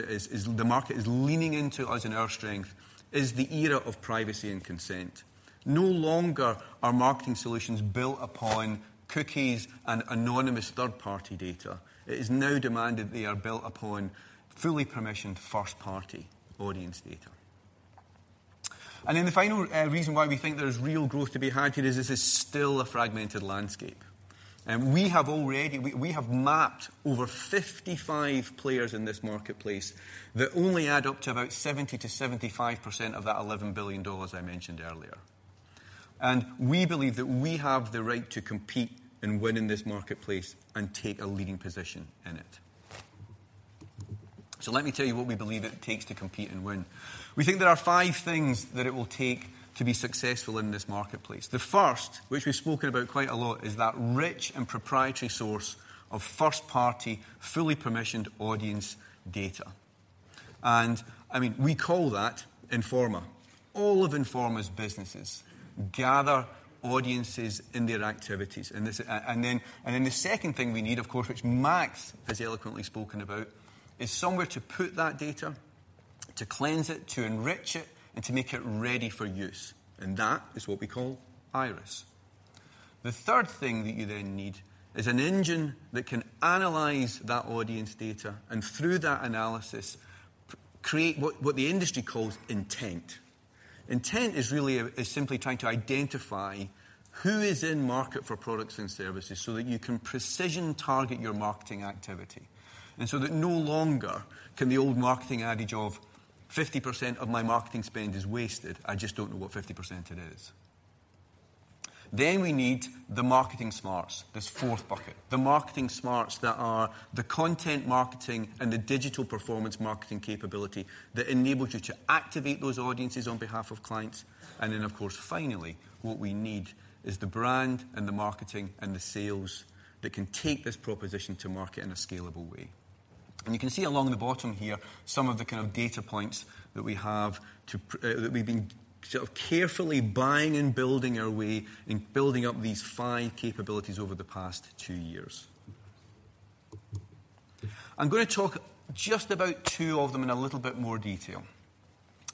the market is leaning into us and our strength is the era of privacy and consent. No longer are marketing solutions built upon cookies and anonymous third-party data. It is now demanded they are built upon fully permissioned first-party audience data. The final reason why we think there's real growth to be had here is this is still a fragmented landscape. We have mapped over 55 players in this marketplace that only add up to about 70%-75% of that $11 billion I mentioned earlier. We believe that we have the right to compete and win in this marketplace and take a leading position in it. Let me tell you what we believe it takes to compete and win. We think there are five things that it will take to be successful in this marketplace. The first, which we've spoken about quite a lot, is that rich and proprietary source of first-party, fully permissioned audience data, and I mean, we call that Informa. All of Informa's businesses gather audiences in their activities. Then the second thing we need, of course, which Max has eloquently spoken about, is somewhere to put that data, to cleanse it, to enrich it, and to make it ready for use, and that is what we call IIRIS. The third thing that you then need is an engine that can analyze that audience data and through that analysis, create what the industry calls intent. Intent is really simply trying to identify who is in market for products and services so that you can precision target your marketing activity. No longer can the old marketing adage of, 50% of my marketing spend is wasted, I just don't know what 50% it is. We need the marketing smarts, this fourth bucket. The marketing smarts that are the content marketing and the digital performance marketing capability that enables you to activate those audiences on behalf of clients. Of course, finally, what we need is the brand and the marketing and the sales that can take this proposition to market in a scalable way. You can see along the bottom here some of the kind of data points that we have to, that we've been sort of carefully buying and building our way in building up these five capabilities over the past two years. I'm gonna talk just about two of them in a little bit more detail.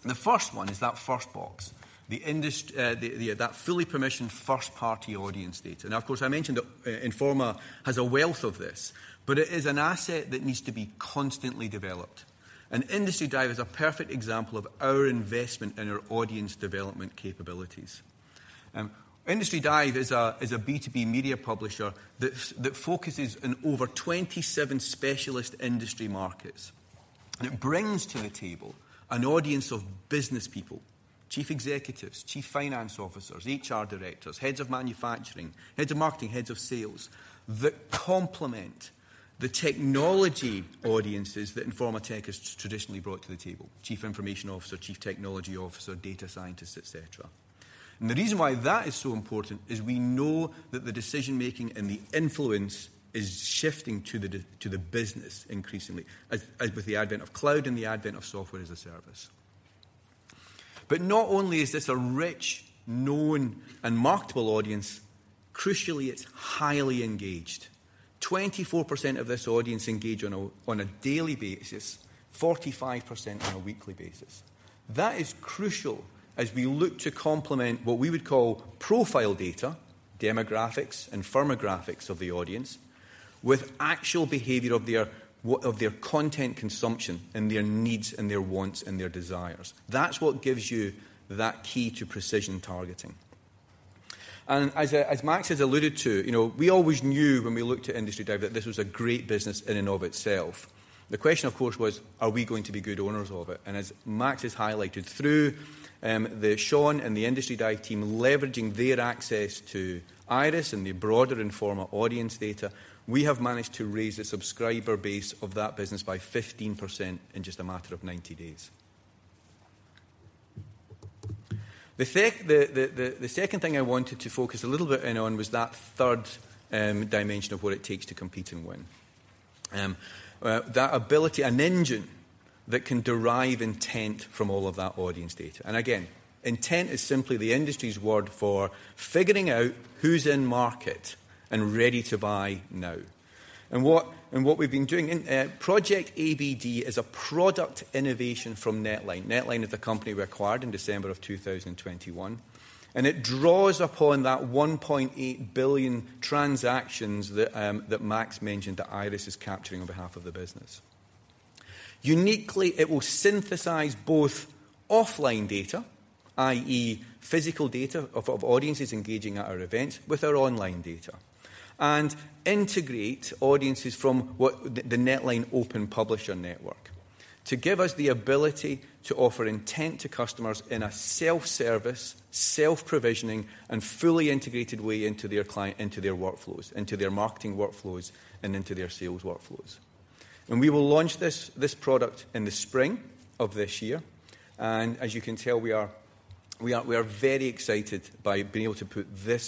The first one is that first box, that fully permissioned first-party audience data. Now, of course, I mentioned that Informa has a wealth of this, but it is an asset that needs to be constantly developed. Industry Dive is a perfect example of our investment in our audience development capabilities. Industry Dive is a B2B media publisher that focuses on over 27 specialist industry markets. It brings to the table an audience of business people, chief executives, chief finance officers, HR directors, heads of manufacturing, heads of marketing, heads of sales, that complement the technology audiences that Informa Tech has traditionally brought to the table, chief information officer, chief technology officer, data scientists, et cetera. The reason why that is so important is we know that the decision-making and the influence is shifting to the business increasingly, as with the advent of cloud and the advent of software as a service. Not only is this a rich, known, and marketable audience, crucially, it's highly engaged. 24% of this audience engage on a daily basis, 45% on a weekly basis. That is crucial as we look to complement what we would call profile data, demographics, and firmographics of the audience, with actual behavior of their of their content consumption and their needs and their wants and their desires. That's what gives you that key to precision targeting. As Max has alluded to, you know, we always knew when we looked at Industry Dive that this was a great business in and of itself. The question, of course, was, are we going to be good owners of it? As Max has highlighted, through the Sean and the Industry Dive team leveraging their access to IIRIS and the broader Informa audience data, we have managed to raise the subscriber base of that business by 15% in just a matter of 90 days. The second thing I wanted to focus a little bit in on was that third dimension of what it takes to compete and win. That ability, an engine that can derive intent from all of that audience data. Again, intent is simply the industry's word for figuring out who's in market and ready to buy now. What we've been doing in Project ABD is a product innovation from NetLine. NetLine is the company we acquired in December of 2021, and it draws upon that 1.8 billion transactions that Max mentioned that IIRIS is capturing on behalf of the business. Uniquely, it will synthesize both offline data, i.e., physical data of audiences engaging at our events, with our online data, and integrate audiences from the NetLine open publisher network to give us the ability to offer intent to customers in a self-service, self-provisioning, and fully integrated way into their workflows, into their marketing workflows, and into their sales workflows. We will launch this product in the spring of this year, and as you can tell, we are very excited by being able to put this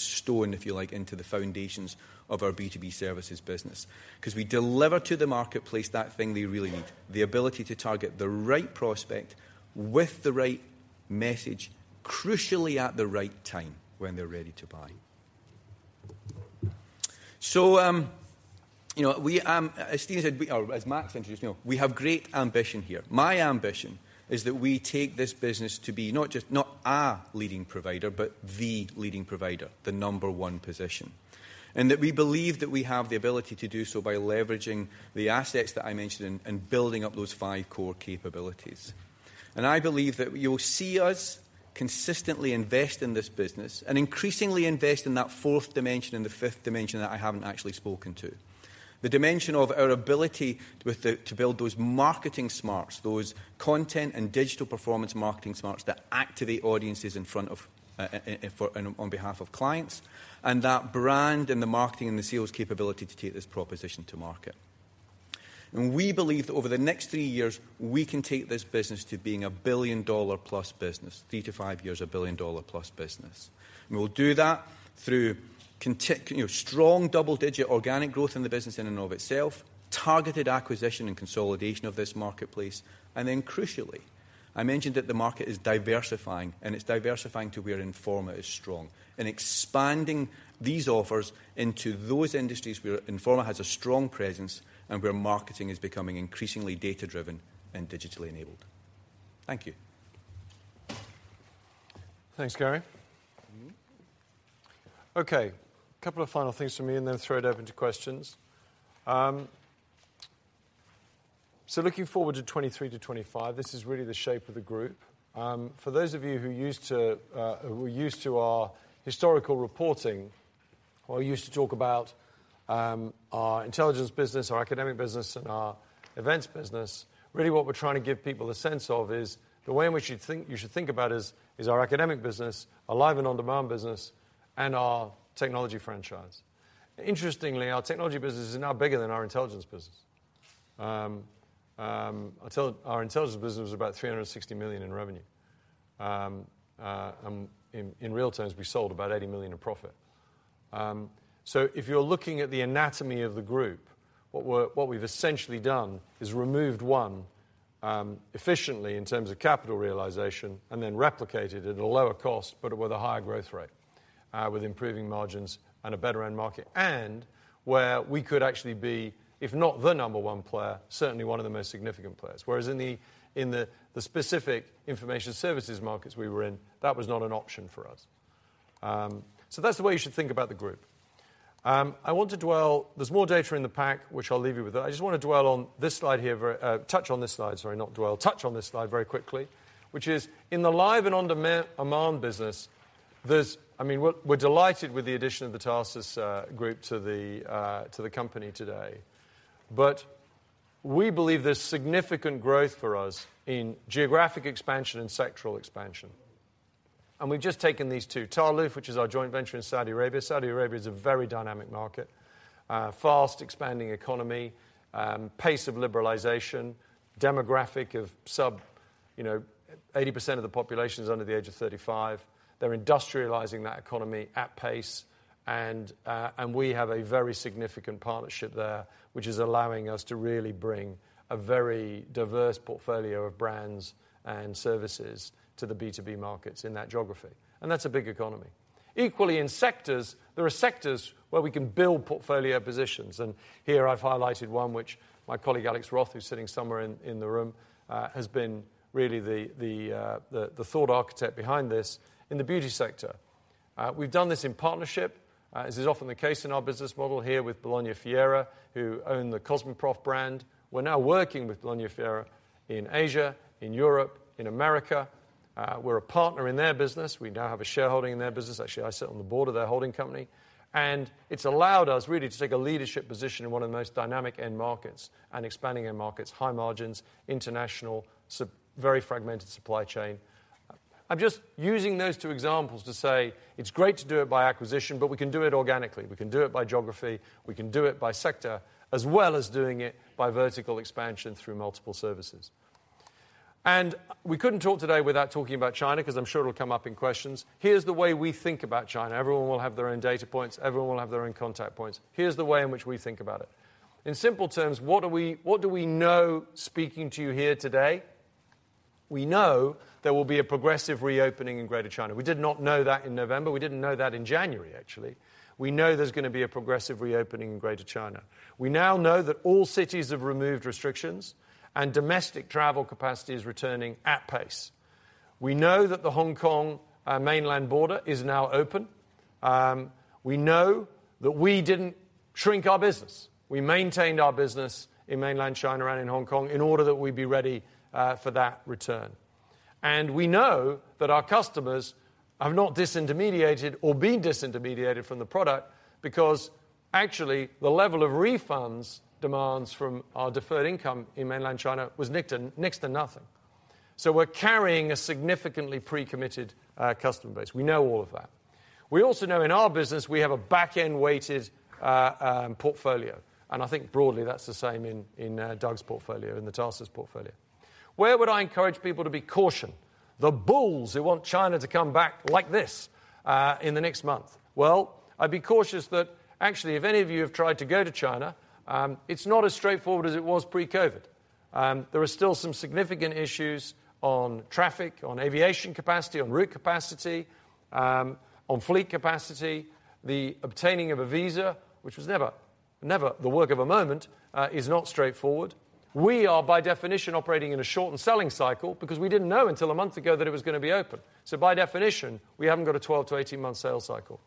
stone, if you like, into the foundations of our B2B services business. 'Cause we deliver to the marketplace that thing they really need, the ability to target the right prospect with the right message, crucially at the right time when they're ready to buy. You know, we, as Stephen said, we are, as Max introduced me, we have great ambition here. My ambition is that we take this business to be not just, not a leading provider, but the leading provider, the number one position. That we believe that we have the ability to do so by leveraging the assets that I mentioned and building up those five core capabilities. I believe that you'll see us consistently invest in this business and increasingly invest in that fourth dimension and the fifth dimension that I haven't actually spoken to. The dimension of our ability to build those marketing smarts, those content and digital performance marketing smarts that activate audiences in front of, for, and on behalf of clients, and that brand and the marketing and the sales capability to take this proposition to market. We believe that over the next three years, we can take this business to being a billion-dollar-plus business, three to five years, a billion-dollar-plus business. We'll do that through you know, strong double-digit organic growth in the business in and of itself, targeted acquisition and consolidation of this marketplace, then crucially, I mentioned that the market is diversifying, it's diversifying to where Informa is strong. In expanding these offers into those industries where Informa has a strong presence and where marketing is becoming increasingly data-driven and digitally enabled. Thank you. Thanks, Gary. Mm-hmm. Couple of final things from me and then throw it open to questions. Looking forward to 23-25, this is really the shape of the group. For those of you who used to, who are used to our historical reporting or used to talk about, our intelligence business, our academic business, and our events business, really what we're trying to give people a sense of is the way in which you should think about is our academic business, our live and on-demand business, and our technology franchise. Interestingly, our technology business is now bigger than our intelligence business. Our intelligence business was about 360 million in revenue. In real terms, we sold about 80 million in profit. If you're looking at the anatomy of the group, what we've essentially done is removed one efficiently in terms of capital realization and then replicated at a lower cost, but with a higher growth rate with improving margins and a better end market, and where we could actually be, if not the number one player, certainly one of the most significant players. Whereas in the specific information services markets we were in, that was not an option for us. That's the way you should think about the group. I want to dwell. There's more data in the pack, which I'll leave you with. I just wanna dwell on this slide here very, touch on this slide, sorry, not dwell. Touch on this slide very quickly, which is in the live and on-demand aman business, there', I mean, we're delighted with the addition of the Tarsus Group to the company today. We believe there's significant growth for us in geographic expansion and sectoral expansion. We've just taken these two. Tahaluf, which is our joint venture in Saudi Arabia. Saudi Arabia is a very dynamic market, fast expanding economy, pace of liberalization, demographic of sub, you know, 80% of the population is under the age of 35. They're industrializing that economy at pace. We have a very significant partnership there, which is allowing us to really bring a very diverse portfolio of brands and services to the B2B markets in that geography, and that's a big economy. Equally in sectors, there are sectors where we can build portfolio positions. Here I've highlighted one which my colleague Alex Roth, who's sitting somewhere in the room, has been really the thought architect behind this in the beauty sector. We've done this in partnership. As is often the case in our business model here with BolognaFiere, who own the Cosmoprof brand. We're now working with BolognaFiere in Asia, in Europe, in America. We're a partner in their business. We now have a shareholding in their business. Actually, I sit on the board of their holding company. It's allowed us really to take a leadership position in one of the most dynamic end markets and expanding end markets, high margins, international very fragmented supply chain. I'm just using those two examples to say it's great to do it by acquisition, we can do it organically. We can do it by geography. We can do it by sector, as well as doing it by vertical expansion through multiple services. We couldn't talk today without talking about China, because I'm sure it'll come up in questions. Here's the way we think about China. Everyone will have their own data points. Everyone will have their own contact points. Here's the way in which we think about it. In simple terms, what do we know speaking to you here today? We know there will be a progressive reopening in Greater China. We did not know that in November. We didn't know that in January, actually. We know there's going to be a progressive reopening in Greater China. We now know that all cities have removed restrictions and domestic travel capacity is returning at pace. We know that the Hong Kong mainland border is now open. We know that we didn't shrink our business. We maintained our business in mainland China and in Hong Kong in order that we'd be ready for that return. We know that our customers have not disintermediated or been disintermediated from the product because actually the level of refunds demands from our deferred income in mainland China was next to nothing. We're carrying a significantly pre-committed customer base. We know all of that. We also know in our business we have a back-end-weighted portfolio, and I think broadly that's the same in Doug's portfolio, in the Tarsus portfolio. Where would I encourage people to be caution? The bulls who want China to come back like this, in the next month. Well, I'd be cautious that actually, if any of you have tried to go to China, it's not as straightforward as it was pre-COVID. There are still some significant issues on traffic, on aviation capacity, on route capacity, on fleet capacity. The obtaining of a visa, which was never the work of a moment, is not straightforward. We are by definition, operating in a short and selling cycle because we didn't know until a month ago that it was gonna be open. By definition, we haven't got a 12-18 month sales cycle.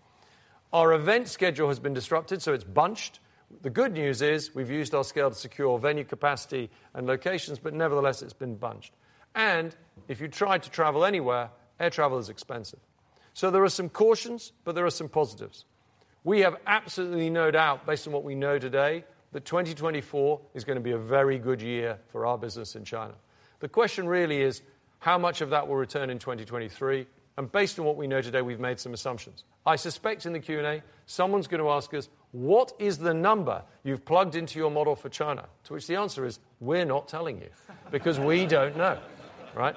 Our event schedule has been disrupted, so it's bunched. The good news is we've used our scale to secure venue capacity and locations, but nevertheless it's been bunched. If you try to travel anywhere, air travel is expensive. There are some cautions, but there are some positives. We have absolutely no doubt, based on what we know today, that 2024 is gonna be a very good year for our business in China. The question really is how much of that will return in 2023? Based on what we know today, we've made some assumptions. I suspect in the Q&A, someone's gonna ask us, What is the number you've plugged into your model for China? To which the answer is, We're not telling you because we don't know. Right?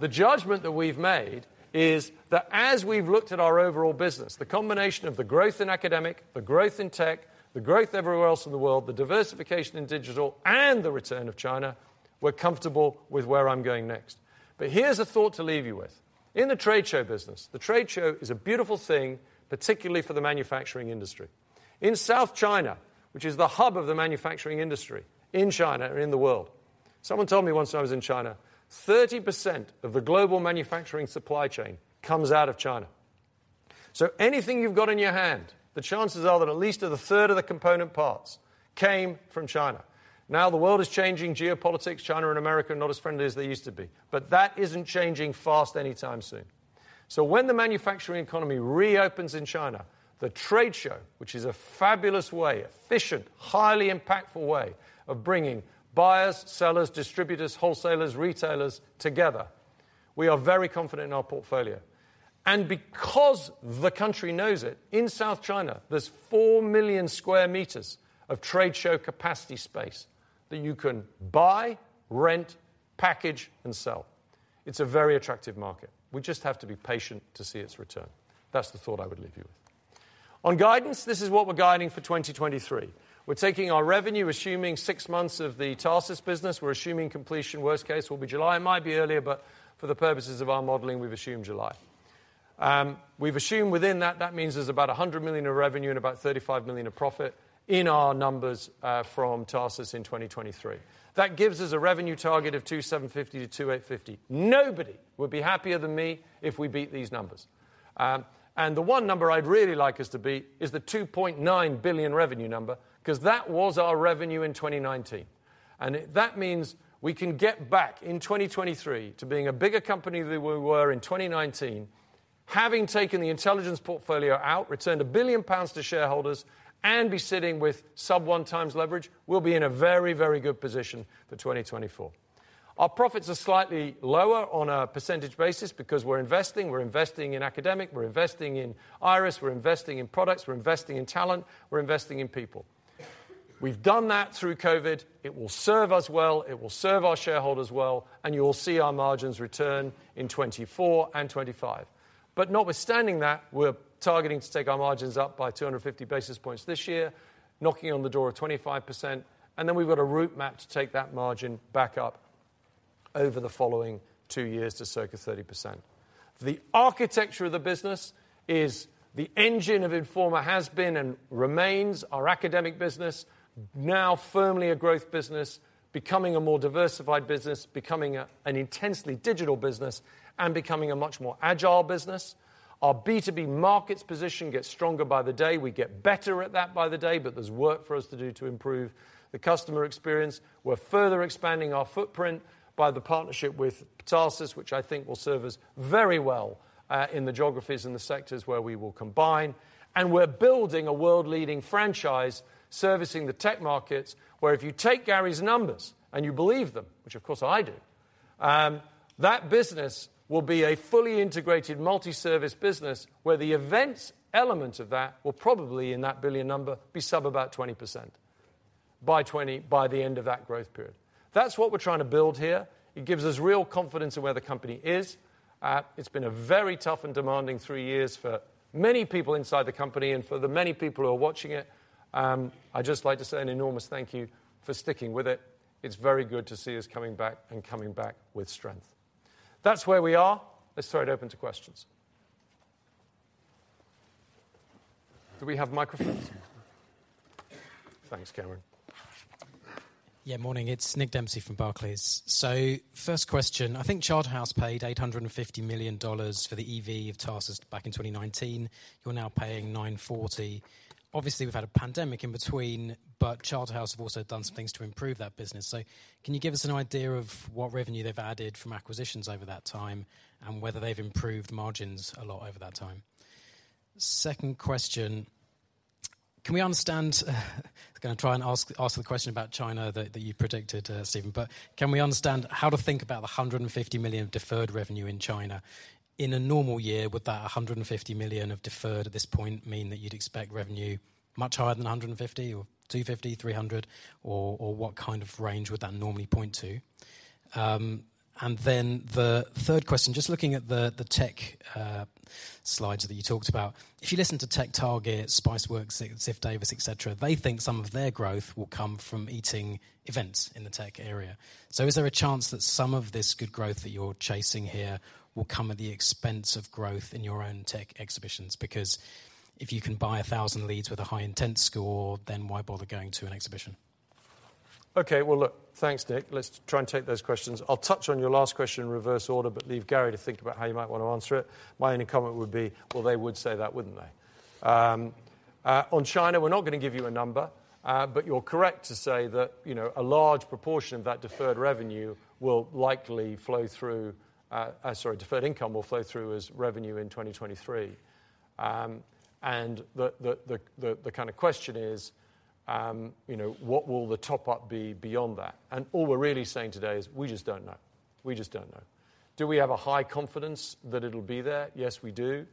The judgment that we've made is that as we've looked at our overall business, the combination of the growth in Academic, the growth in Tech, the growth everywhere else in the world, the diversification in digital and the return of China, we're comfortable with where I'm going next. Here's a thought to leave you with. In the trade show business, the trade show is a beautiful thing, particularly for the manufacturing industry. In South China, which is the hub of the manufacturing industry in China or in the world. Someone told me once when I was in China, 30% of the global manufacturing supply chain comes out of China. Anything you've got in your hand, the chances are that at least a third of the component parts came from China. The world is changing geopolitics. China and America are not as friendly as they used to be. That isn't changing fast anytime soon. When the manufacturing economy reopens in China, the trade show, which is a fabulous way, efficient, highly impactful way of bringing buyers, sellers, distributors, wholesalers, retailers together, we are very confident in our portfolio. Because the country knows it, in South China, there's four million square meters of trade show capacity space that you can buy, rent, package and sell. It's a very attractive market. We just have to be patient to see its return. That's the thought I would leave you with. On guidance, this is what we're guiding for 2023. We're taking our revenue, assuming six months of the Tarsus business. We're assuming completion, worst case will be July. It might be earlier, but for the purposes of our modeling, we've assumed July. We've assumed within that means there's about 100 million of revenue and about 35 million of profit in our numbers from Tarsus in 2023. That gives us a revenue target of 2.75 billion-2.85 billion. Nobody would be happier than me if we beat these numbers. The one number I'd really like us to beat is the 2.9 billion revenue number, 'cause that was our revenue in 2019. That means we can get back in 2023 to being a bigger company than we were in 2019. Having taken the intelligence portfolio out, returned 1 billion pounds to shareholders, and be sitting with sub 1x leverage, we'll be in a very, very good position for 2024. Our profits are slightly lower on a percentage basis because we're investing. We're investing in academic, we're investing in IIRIS, we're investing in products, we're investing in talent, we're investing in people. We've done that through COVID. It will serve us well. It will serve our shareholders well. You will see our margins return in 2024 and 2025. Notwithstanding that, we're targeting to take our margins up by 250 basis points this year, knocking on the door of 25%. Then we've got a roadmap to take that margin back up over the following 2 years to circa 30%. The architecture of the business is the engine of Informa has been and remains our academic business, now firmly a growth business, becoming a more diversified business, becoming an intensely digital business, and becoming a much more agile business. Our B2B markets position gets stronger by the day. We get better at that by the day, but there's work for us to do to improve the customer experience. We're further expanding our footprint by the partnership with Tarsus, which I think will serve us very well in the geographies and the sectors where we will combine. We're building a world-leading franchise servicing the tech markets, where if you take Gary Nugent's numbers and you believe them, which of course I do, that business will be a fully integrated multi-service business, where the events element of that will probably, in that billion number, be sub about 20% by the end of that growth period. That's what we're trying to build here. It gives us real confidence in where the company is. It's been a very tough and demanding three years for many people inside the company and for the many people who are watching it. I'd just like to say an enormous thank you for sticking with it. It's very good to see us coming back and coming back with strength. That's where we are. Let's throw it open to questions. Do we have microphones? Thanks, Stephen. Yeah, morning. It's Nick Dempsey from Barclays. First question, I think Charterhouse paid $850 million for the EV of Tarsus back in 2019. You're now paying $940 million. Obviously, we've had a pandemic in between, but Charterhouse have also done some things to improve that business. Can you give us an idea of what revenue they've added from acquisitions over that time, and whether they've improved margins a lot over that time? Second question, can we understand I was gonna try and ask the question about China that you predicted, Stephen. Can we understand how to think about the $150 million of deferred revenue in China? In a normal year, would that 150 million of deferred at this point mean that you'd expect revenue much higher than 150 or 250, 300 or what kind of range would that normally point to? The third question, just looking at the tech slides that you talked about. If you listen to TechTarget, Spiceworks, Ziff Davis, et cetera, they think some of their growth will come from eating events in the tech area. Is there a chance that some of this good growth that you're chasing here will come at the expense of growth in your own tech exhibitions? If you can buy 1,000 leads with a high intent score, then why bother going to an exhibition? Okay. Well, look, thanks, Nick. Let's try and take those questions. I'll touch on your last question in reverse order, but leave Gary to think about how you might want to answer it. My only comment would be, well, they would say that, wouldn't they? On China, we're not gonna give you a number, but you're correct to say that, you know, a large proportion of that deferred revenue will likely flow through, sorry, deferred income will flow through as revenue in 2023. And the kind of question is, you know, what will the top-up be beyond that? All we're really saying today is we just don't know. We just don't know. Do we have a high confidence that it'll be there? Yes, we do.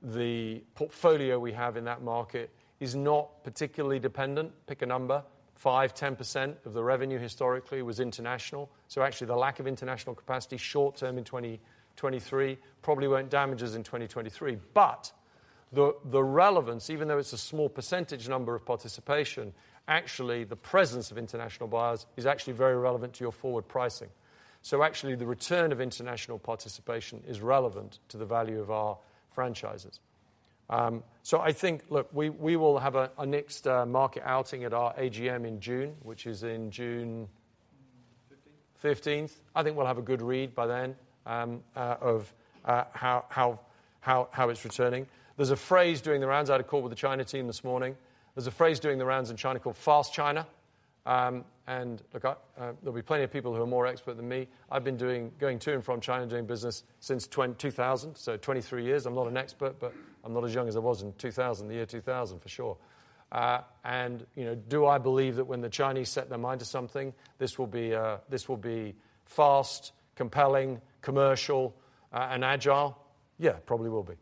The portfolio we have in that market is not particularly dependent. Pick a number, 5%, 10% of the revenue historically was international. Actually the lack of international capacity short term in 2023 probably won't damage us in 2023. The relevance, even though it's a small percentage number of participation, actually the presence of international buyers is actually very relevant to your forward pricing. Actually the return of international participation is relevant to the value of our franchises. I think, look, we will have a next market outing at our AGM in June, which is in June 15th. I think we'll have a good read by then of how it's returning. There's a phrase doing the rounds. I had a call with the China team this morning. There's a phrase doing the rounds in China called Fast China. Look, there'll be plenty of people who are more expert than me. I've been doing, going to and from China doing business since 2000, so 23 years. I'm not an expert. I'm not as young as I was in 2000 for sure. You know, do I believe that when the Chinese set their mind to something, this will be fast, compelling, commercial, and agile? Yeah, probably will be.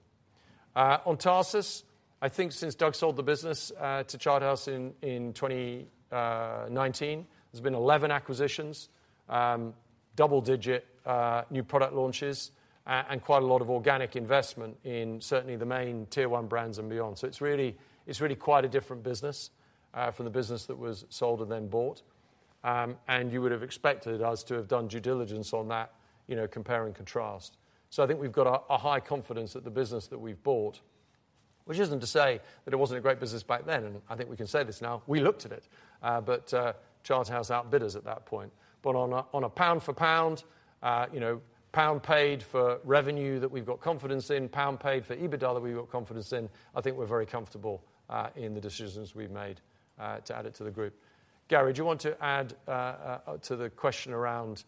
On Tarsus, I think since Doug sold the business to Charterhouse in 2019, there's been 11 acquisitions, double digit new product launches, and quite a lot of organic investment in certainly the main tier one brands and beyond. It's really quite a different business from the business that was sold and then bought. You would've expected us to have done due diligence on that, you know, compare and contrast. I think we've got a high confidence that the business that we've bought. Which isn't to say that it wasn't a great business back then, and I think we can say this now. We looked at it, but Charterhouse outbid us at that point. On a, on a pound for pound, you know, pound paid for revenue that we've got confidence in, pound paid for EBITDA that we've got confidence in, I think we're very comfortable in the decisions we've made to add it to the group. Gary, do you want to add to the question around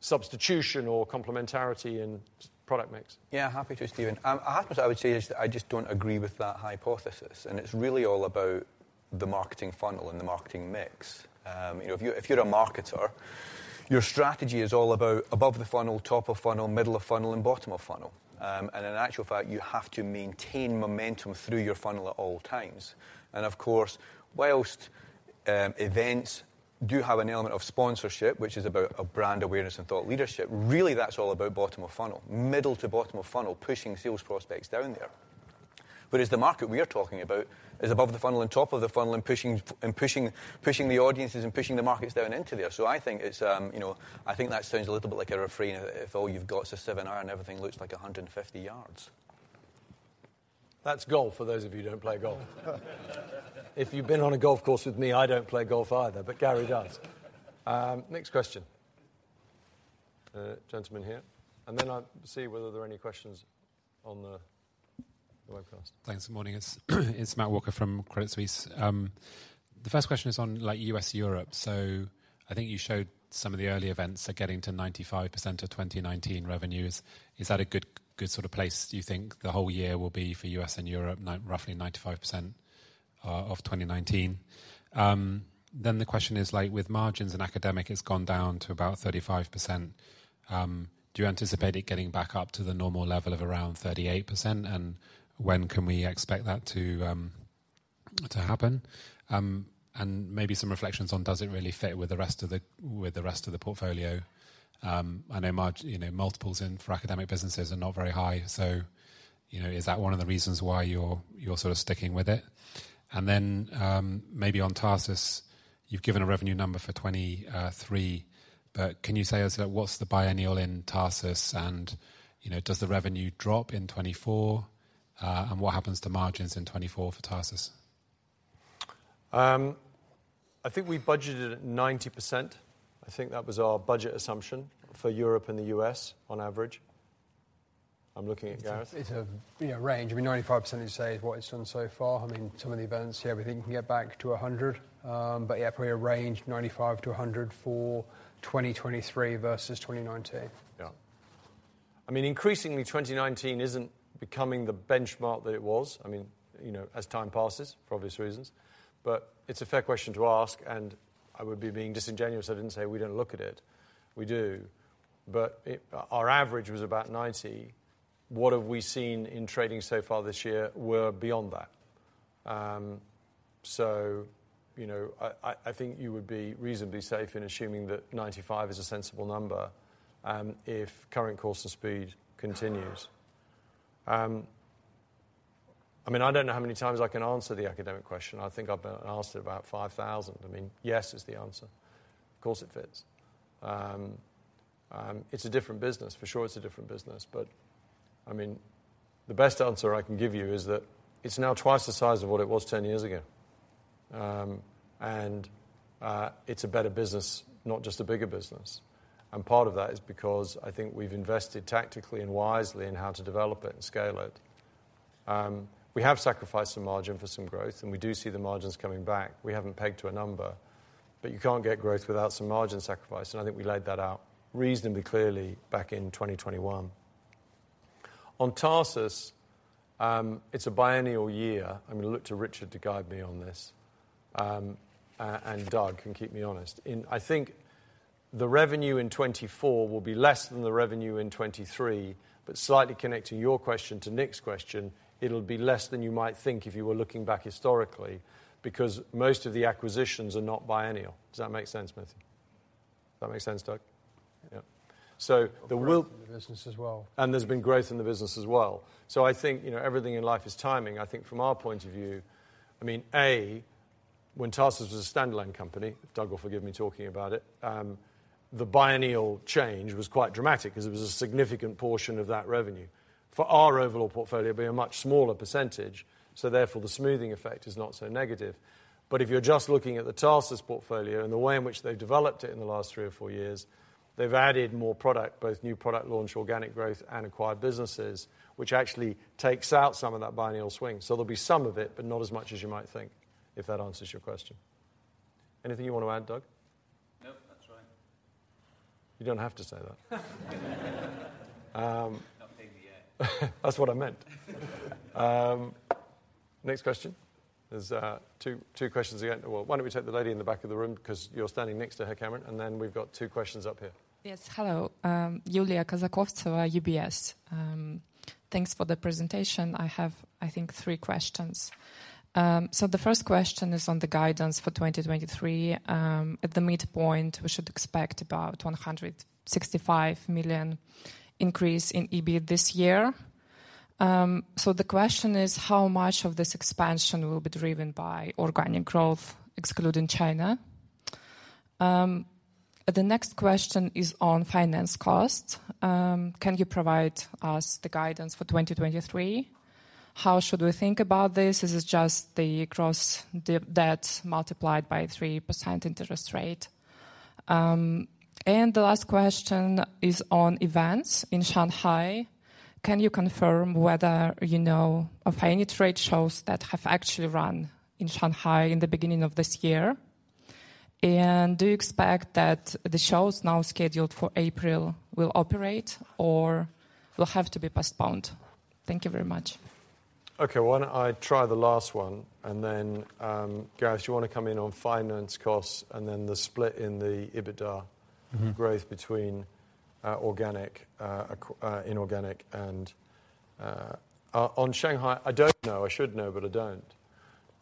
substitution or complementarity in product mix? Yeah, happy to, Stephen. Half of what I would say is that I just don't agree with that hypothesis, and it's really all about the marketing funnel and the marketing mix. You know, if you, if you're a marketer, your strategy is all about above the funnel, top of funnel, middle of funnel and bottom of funnel. In actual fact, you have to maintain momentum through your funnel at all times. Of course, whilst events do have an element of sponsorship, which is about a brand awareness and thought leadership, really that's all about bottom of funnel. Middle to bottom of funnel, pushing sales prospects down there. As the market we are talking about is above the funnel and top of the funnel and pushing the audiences and pushing the markets down into there. I think it's, you know, I think that sounds a little bit like a refrain if all you've got is a seminar and everything looks like 150 yards. That's golf for those of you who don't play golf. If you've been on a golf course with me, I don't play golf either, but Gary does. Next question. The gentleman here. Then I'll see whether there are any questions on the webcast. Thanks. Good morning. It's Matthew Walker from Credit Suisse. The first question is on, like, US/Europe. I think you showed some of the early events are getting to 95% of 2019 revenues. Is that a good sort of place you think the whole year will be for US and Europe, roughly 95% of 2019? The question is, like, with margins in Academic, it's gone down to about 35%. Do you anticipate it getting back up to the normal level of around 38%, and when can we expect that to happen? Maybe some reflections on does it really fit with the rest of the portfolio? I know, you know, multiples in for academic businesses are not very high, so, you know, is that one of the reasons why you're sort of sticking with it? Then, maybe on Tarsus, you've given a revenue number for 2023, but can you say also what's the biennial in Tarsus and, you know, does the revenue drop in 2024, and what happens to margins in 2024 for Tarsus? I think we budgeted at 90%. I think that was our budget assumption for Europe and the US on average. I'm looking at Gareth. It's a, you know, range. I mean, 95% you say is what it's done so far. I mean, some of the events, yeah, we think we can get back to 100%. Yeah, probably a range, 95%-100% for 2023 versus 2019. I mean, increasingly 2019 isn't becoming the benchmark that it was. I mean, you know, as time passes for obvious reasons. It's a fair question to ask, and I would be being disingenuous if I didn't say we don't look at it. We do. Our average was about 90. What have we seen in trading so far this year? We're beyond that. You know, I think you would be reasonably safe in assuming that 95 is a sensible number if current course of speed continues. I mean, I don't know how many times I can answer the academic question. I think I've been asked it about 5,000. I mean, yes is the answer. Of course, it fits. It's a different business. For sure it's a different business. I mean, the best answer I can give you is that it's now twice the size of what it was 10 years ago. It's a better business, not just a bigger business. Part of that is because I think we've invested tactically and wisely in how to develop it and scale it. We have sacrificed some margin for some growth, we do see the margins coming back. We haven't pegged to a number, you can't get growth without some margin sacrifice, I think we laid that out reasonably clearly back in 2021. On Tarsus, it's a biennial year. I'm gonna look to Richard to guide me on this, and Doug can keep me honest. I think the revenue in 2024 will be less than the revenue in 2023, but slightly connecting your question to Nick's question, it'll be less than you might think if you were looking back historically, because most of the acquisitions are not biennial. Does that make sense, Matthew? That make sense, Doug? Yeah. Growth in the business as well. There's been growth in the business as well. I think, you know, everything in life is timing. I think from our point of view, I mean, A, when Tarsus was a standalone company, if Doug will forgive me talking about it, the biennial change was quite dramatic because it was a significant portion of that revenue. For our overall portfolio, it'll be a much smaller %, so therefore the smoothing effect is not so negative. If you're just looking at the Tarsus portfolio and the way in which they've developed it in the last three or four years, they've added more product, both new product launch, organic growth and acquired businesses, which actually takes out some of that biennial swing. There'll be some of it, but not as much as you might think, if that answers your question. Anything you want to add, Doug? No, that's right. You don't have to say that. Not paying me yet. That's what I meant. Next question. There's two questions again. Why don't we take the lady in the back of the room? 'Cause you're standing next to her, Cameron, and then we've got two questions up here. Yes. Hello. Yulia Kazakovtseva, UBS. Thanks for the presentation. I have, I think, three questions. The first question is on the guidance for 2023. At the midpoint, we should expect about 165 million increase in EBITDA this year. The question is, how much of this expansion will be driven by organic growth excluding China? The next question is on finance cost. Can you provide us the guidance for 2023? How should we think about this? Is it just the gross debt multiplied by 3% interest rate? The last question is on events in Shanghai. Can you confirm whether you know of any trade shows that have actually run in Shanghai in the beginning of this year? Do you expect that the shows now scheduled for April will operate or will have to be postponed? Thank you very much. Okay. Why don't I try the last one, and then, Gareth, you wanna come in on finance costs and then the split in the EBITDA... Mm-hmm growth between organic inorganic and, on Shanghai, I don't know. I should know, but I don't,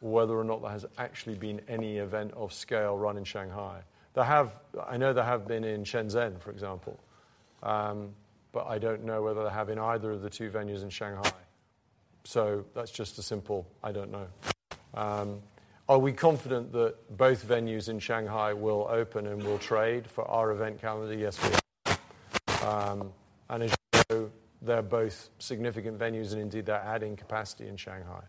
whether or not there has actually been any event of scale run in Shanghai. I know there have been in Shenzhen, for example, but I don't know whether they have in either of the two venues in Shanghai. That's just a simple, I don't know. Are we confident that both venues in Shanghai will open and will trade for our event calendar? Yes, we are. As you know, they're both significant venues, and indeed they're adding capacity in Shanghai.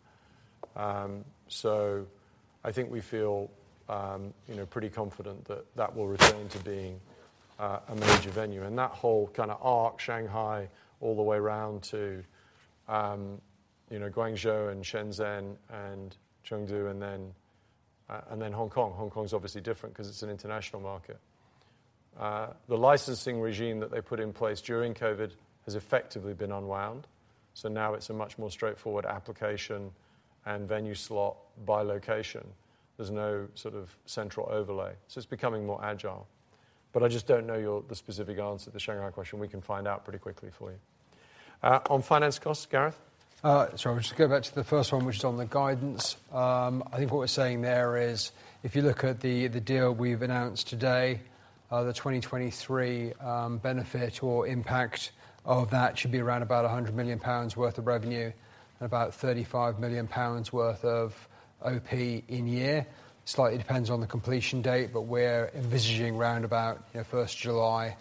I think we feel, you know, pretty confident that that will return to being a major venue. That whole kinda arc, Shanghai all the way round to, you know, Guangzhou and Shenzhen and Chengdu and then Hong Kong. Hong Kong's obviously different 'cause it's an international market. The licensing regime that they put in place during COVID has effectively been unwound. Now it's a much more straightforward application and venue slot by location. There's no sort of central overlay, so it's becoming more agile. I just don't know the specific answer to the Shanghai question. We can find out pretty quickly for you. On finance costs, Gareth? I'll just go back to the first one, which is on the guidance. I think what we're saying there is, if you look at the deal we've announced today, the 2023 benefit or impact of that should be around about 100 million pounds worth of revenue and about 35 million pounds worth of OP in year. Slightly depends on the completion date, but we're envisaging round about, you know, July 1,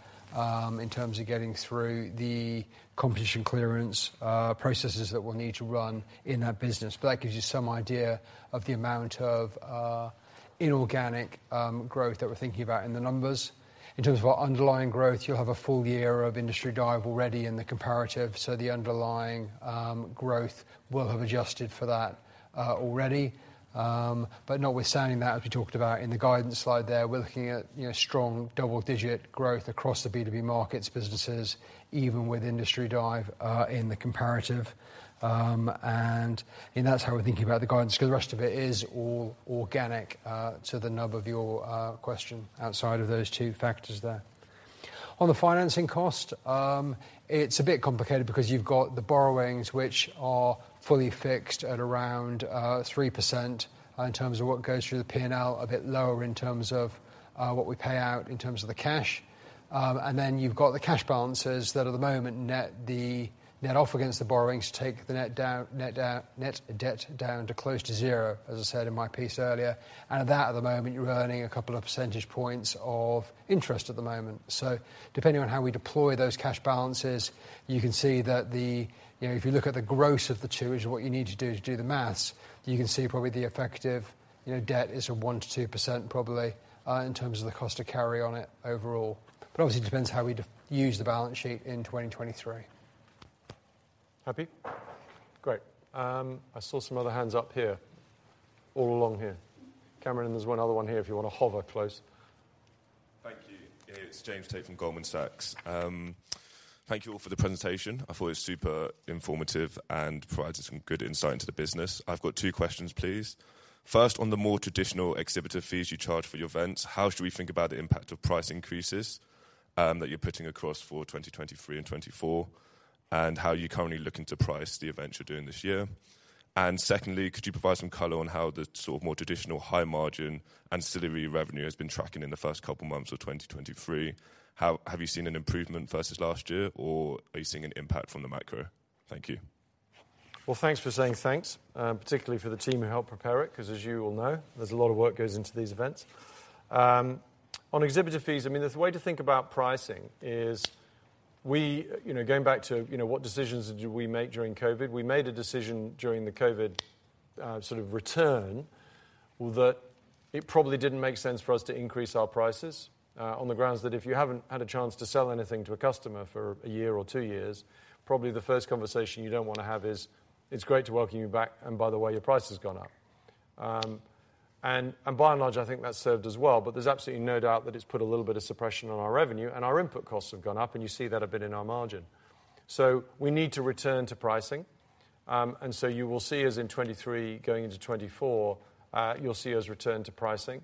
in terms of getting through the competition clearance processes that we'll need to run in that business. That gives you some idea of the amount of inorganic growth that we're thinking about in the numbers. In terms of our underlying growth, you'll have a full year of Industry Dive already in the comparative, so the underlying growth will have adjusted for that already. Notwithstanding that, as we talked about in the guidance slide there, we're looking at, you know, strong double-digit growth across the B2B markets, businesses, even with Industry Dive in the comparative. You know, that's how we're thinking about the guidance 'cause the rest of it is all organic to the nub of your question outside of those two factors there. On the financing cost, it's a bit complicated because you've got the borrowings which are fully fixed at around 3% in terms of what goes through the P&L, a bit lower in terms of what we pay out in terms of the cash. Then you've got the cash balances that at the moment net off against the borrowings to take the net debt down to close to zero, as I said in my piece earlier. At that, at the moment, you're earning 2 percentage points of interest at the moment. Depending on how we deploy those cash balances, you can see that the, you know, if you look at the gross of the two, is what you need to do is do the maths. You can see probably the effective, you know, debt is a 1%-2% probably, in terms of the cost to carry on it overall. Obviously it depends how we use the balance sheet in 2023. Happy? Great. I saw some other hands up here. All along here. Cameron, there's one other one here if you want to hover close. Thank you. It's James Tate from Goldman Sachs. Thank you all for the presentation. I thought it was super informative and provided some good insight into the business. I've got two questions, please. First, on the more traditional exhibitor fees you charge for your events, how should we think about the impact of price increases, that you're putting across for 2023 and 2024, and how you're currently looking to price the events you're doing this year? Secondly, could you provide some color on how the sort of more traditional high margin and ancillary revenue has been tracking in the first couple of months of 2023? Have you seen an improvement versus last year or are you seeing an impact from the macro? Thank you. Thanks for saying thanks, particularly for the team who helped prepare it, 'cause as you all know, there's a lot of work goes into these events. On exhibitor fees, I mean, there's a way to think about pricing, is we, you know, going back to, you know, what decisions did we make during COVID, we made a decision during the COVID sort of return that it probably didn't make sense for us to increase our prices on the grounds that if you haven't had a chance to sell anything to a customer for a year or two years, probably the first conversation you don't wanna have is, It's great to welcome you back, and by the way, your price has gone up. By and large, I think that's served us well, there's absolutely no doubt that it's put a little bit of suppression on our revenue and our input costs have gone up, and you see that a bit in our margin. We need to return to pricing. You will see us in 2023 going into 2024, you'll see us return to pricing.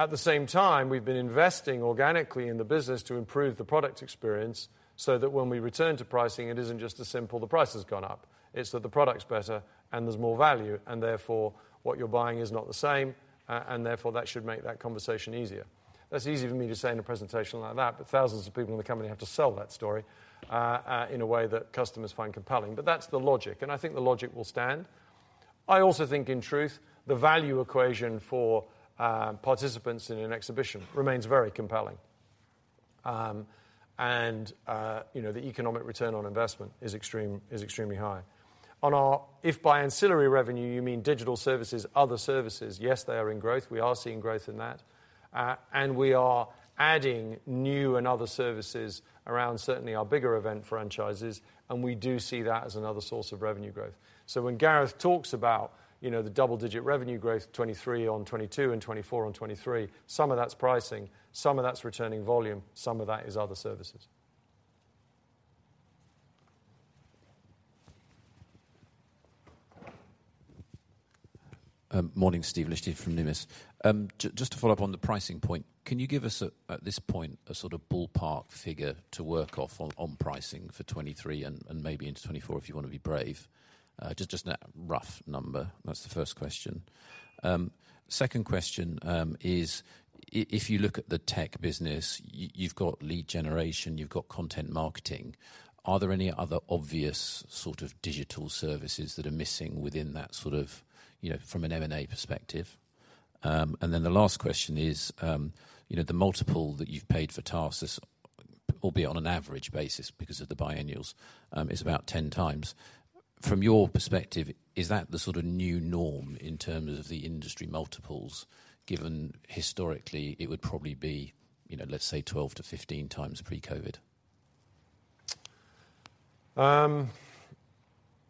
At the same time, we've been investing organically in the business to improve the product experience so that when we return to pricing, it isn't just a simple, The price has gone up. It's that the product's better and there's more value, and therefore what you're buying is not the same, and therefore that should make that conversation easier. That's easy for me to say in a presentation like that, thousands of people in the company have to sell that story in a way that customers find compelling. That's the logic, and I think the logic will stand. I also think in truth, the value equation for participants in an exhibition remains very compelling. You know, the economic return on investment is extremely high. If by ancillary revenue you mean digital services, other services, yes, they are in growth. We are seeing growth in that. We are adding new and other services around certainly our bigger event franchises, and we do see that as another source of revenue growth. When Gareth talks about, you know, the double-digit revenue growth, 2023 on 2022 and 2024 on 2023, some of that's pricing, some of that's returning volume, some of that is other services. Morning, Steve Liechti from Numis. Just to follow up on the pricing point, can you give us a, at this point, a sort of ballpark figure to work off on pricing for 23 and maybe into 24 if you wanna be brave? Just a rough number. That's the first question. Second question, if you look at the Tech business, you've got lead generation, you've got content marketing. Are there any other obvious sort of digital services that are missing within that sort of, you know, from an M&A perspective? The last question is, you know, the multiple that you've paid for Tarsus is, albeit on an average basis because of the biennials, is about 10 times. From your perspective, is that the sort of new norm in terms of the industry multiples, given historically it would probably be, you know, let's say 12x-15x pre-COVID?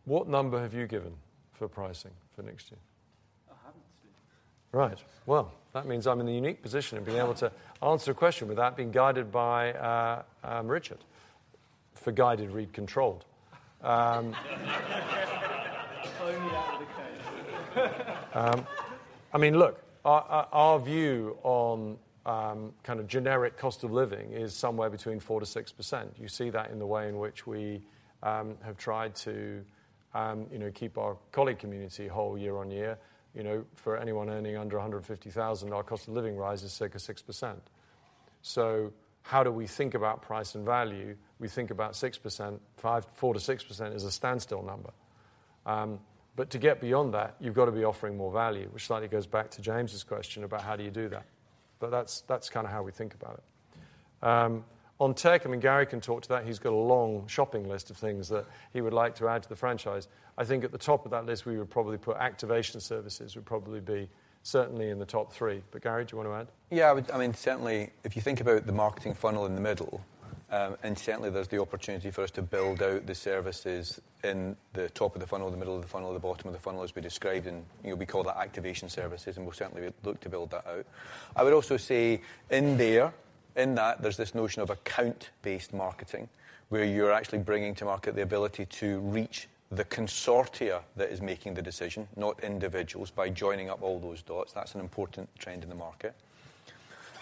What number have you given for pricing for next year? I haven't, Steve. Right. Well, that means I'm in the unique position of being able to answer a question without being guided by Richard. For guided read control, I mean, look, our, our view on kind of generic cost of living is somewhere between 4%-6%. You see that in the way in which we have tried to, you know, keep our colleague community whole year-on-year. You know, for anyone earning under 150,000, our cost of living rise is 6% or 6%. How do we think about price and value? We think about 6%, 4%-6% is a standstill number. To get beyond that, you've got to be offering more value, which slightly goes back to James's question about how do you do that. That's kinda how we think about it. On Tech, I mean, Gary can talk to that. He's got a long shopping list of things that he would like to add to the franchise. I think at the top of that list, we would probably put activation services would probably be certainly in the top three. Gary, do you want to add? Yeah. I mean, certainly if you think about the marketing funnel in the middle, and certainly there's the opportunity for us to build out the services in the top of the funnel, the middle of the funnel, the bottom of the funnel, as we described, and, you know, we call that activation services, and we'll certainly look to build that out. I would also say in there, in that, there's this notion of account-based marketing, where you're actually bringing to market the ability to reach the consortia that is making the decision, not individuals, by joining up all those dots. That's an important trend in the market.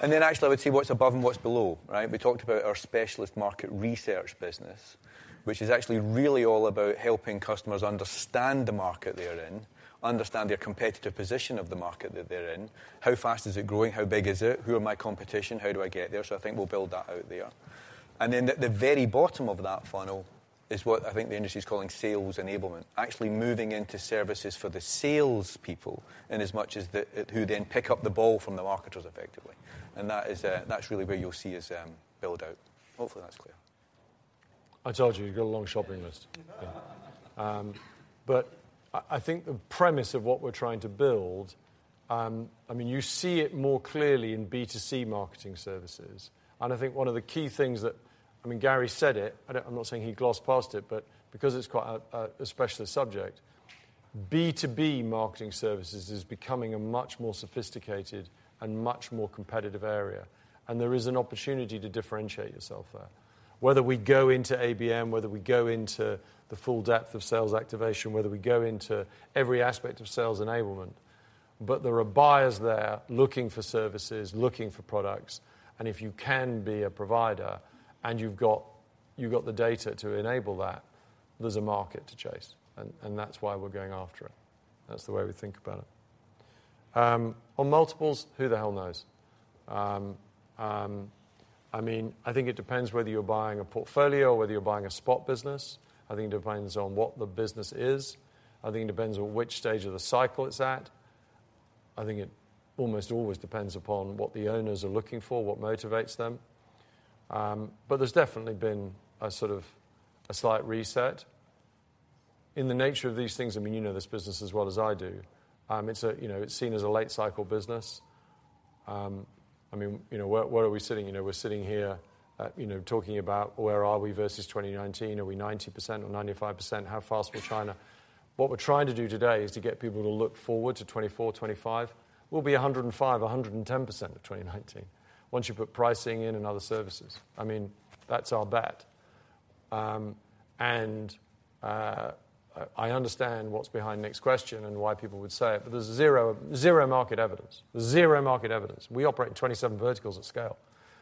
Actually, I would say what's above and what's below, right? We talked about our specialist market research business, which is actually really all about helping customers understand the market they're in, understand their competitive position of the market that they're in. How fast is it growing? How big is it? Who are my competition? How do I get there? I think we'll build that out there. Then at the very bottom of that funnel is what I think the industry is calling sales enablement, actually moving into services for the salespeople in as much as who then pick up the ball from the marketers effectively. That is, that's really where you'll see us build out. Hopefully, that's clear. I told you got a long shopping list. I think the premise of what we're trying to build, I mean, you see it more clearly in B2C marketing services. I think one of the key things that, I mean, Gary said it, I'm not saying he glossed past it, but because it's quite a specialist subject. B2B marketing services is becoming a much more sophisticated and much more competitive area, and there is an opportunity to differentiate yourself there. Whether we go into ABM, whether we go into the full depth of sales activation, whether we go into every aspect of sales enablement. There are buyers there looking for services, looking for products, and if you can be a provider, and you've got the data to enable that, there's a market to chase, and that's why we're going after it. That's the way we think about it. On multiples, who the hell knows? I mean, I think it depends whether you're buying a portfolio or whether you're buying a spot business. I think it depends on what the business is. I think it depends on which stage of the cycle it's at. I think it almost always depends upon what the owners are looking for, what motivates them. There's definitely been a sort of a slight reset. In the nature of these things, I mean, you know this business as well as I do. It's a, you know, it's seen as a late-cycle business. I mean, you know, where are we sitting? You know, we're sitting here, you know, talking about where are we versus 2019. Are we 90% or 95%? What we're trying to do today is to get people to look forward to 2024, 2025. We'll be 105, 110% of 2019. Once you put pricing in and other services. I mean, that's our bet. I understand what's behind Nick's question and why people would say it, but there's zero market evidence. Zero market evidence. We operate in 27 verticals at scale.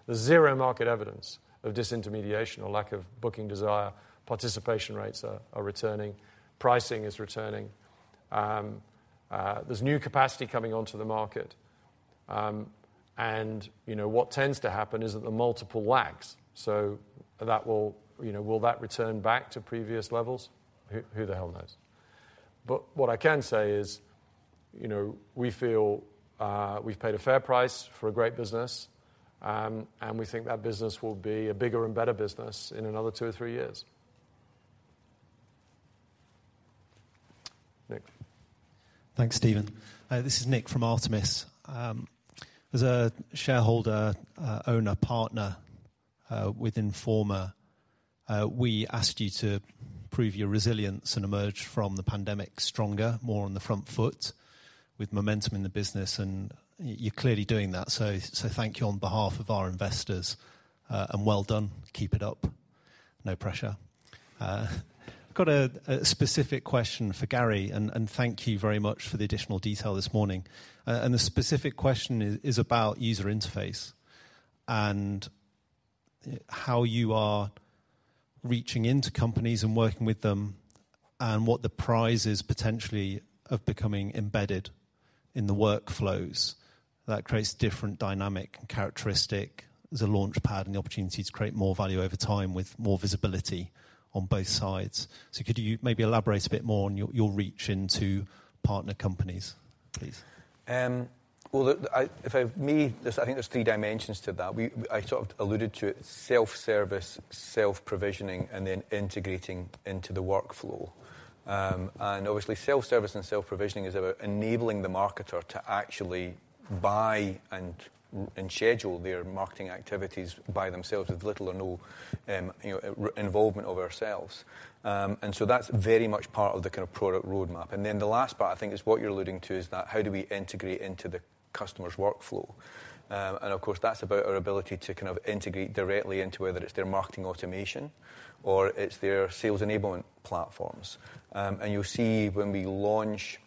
There's zero market evidence of disintermediation or lack of booking desire. Participation rates are returning. Pricing is returning. There's new capacity coming onto the market. You know, what tends to happen is that the multiple lags, so that will, you know, will that return back to previous levels? Who the hell knows? What I can say is, you know, we feel, we've paid a fair price for a great business, and we think that business will be a bigger and better business in another two or three years. Nick. Thanks, Stephen. This is Nick from Artemis. As a shareholder, owner, partner, with Informa, we asked you to prove your resilience and emerge from the pandemic stronger, more on the front foot with momentum in the business. You're clearly doing that. Thank you on behalf of our investors, and well done. Keep it up. No pressure. Got a specific question for Gary, and thank you very much for the additional detail this morning. The specific question is about user interface and how you are reaching into companies and working with them, and what the prize is potentially of becoming embedded in the workflows that creates different dynamic and characteristic as a launchpad, and the opportunity to create more value over time with more visibility on both sides. Could you maybe elaborate a bit more on your reach into partner companies, please? Well, if I may, there's, I think there's three dimensions to that. I sort of alluded to it, self-service, self-provisioning, and then integrating into the workflow. Obviously self-service and self-provisioning is about enabling the marketer to actually buy and schedule their marketing activities by themselves with little or no, you know, involvement of ourselves. That's very much part of the kind of product roadmap. The last part, I think is what you're alluding to, is that how do we integrate into the customer's workflow? Of course that's about our ability to kind of integrate directly into whether it's their marketing automation or it's their sales enablement platforms. You'll see when we launch,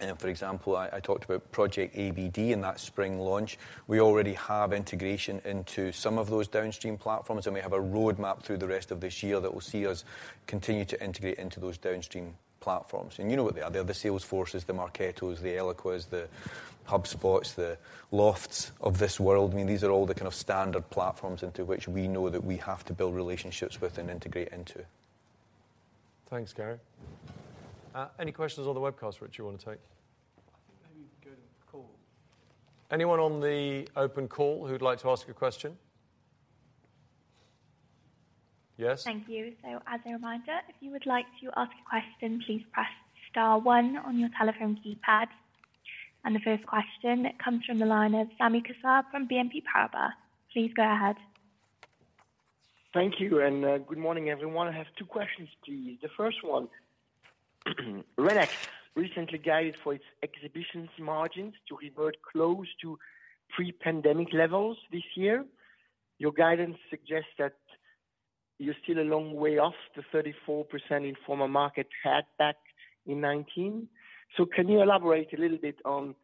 and for example, I talked about Project ABD in that spring launch. We already have integration into some of those downstream platforms, we have a roadmap through the rest of this year that will see us continue to integrate into those downstream platforms. You know what they are. They're the Salesforces, the Marketos, the Eloquas, the HubSpots, the Lofts of this world. I mean, these are all the kind of standard platforms into which we know that we have to build relationships with and integrate into. Thanks, Gary. Any questions on the webcast, Rich, you wanna take? I think maybe go to the call. Anyone on the open call who'd like to ask a question? Yes. Thank you. As a reminder, if you would like to ask a question, please press star one on your telephone keypad. The first question comes from the line of Sami Kassab from BNP Paribas. Please go ahead. Thank you. Good morning, everyone. I have two questions, please. The first one, RELX recently guided for its exhibitions margins to revert close to pre-pandemic levels this year. Your guidance suggests that you're still a long way off the 34% Informa Markets had back in 2019. Can you elaborate a little bit on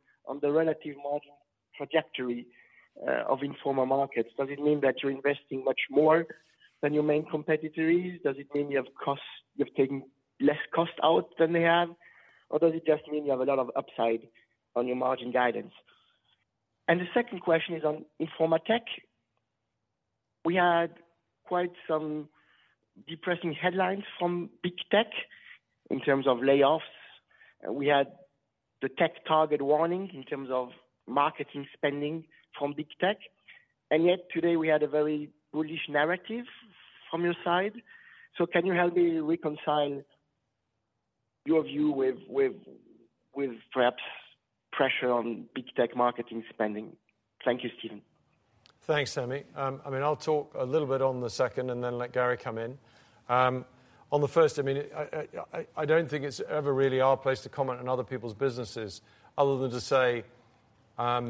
the relative margin trajectory of Informa Markets? Does it mean that you're investing much more than your main competitors? Does it mean you have costs, you've taken less costs out than they have, or does it just mean you have a lot of upside on your margin guidance? The second question is on Informa Tech. We had quite some depressing headlines from Big Tech in terms of layoffs. We had the TechTarget warning in terms of marketing spending from Big Tech. Yet today we had a very bullish narrative from your side. Can you help me reconcile your view with perhaps pressure on Big Tech marketing spending? Thank you, Stephen. Thanks, Sami. I mean, I'll talk a little bit on the second and then let Gary come in. On the first, I mean, I don't think it's ever really our place to comment on other people's businesses other than to say, I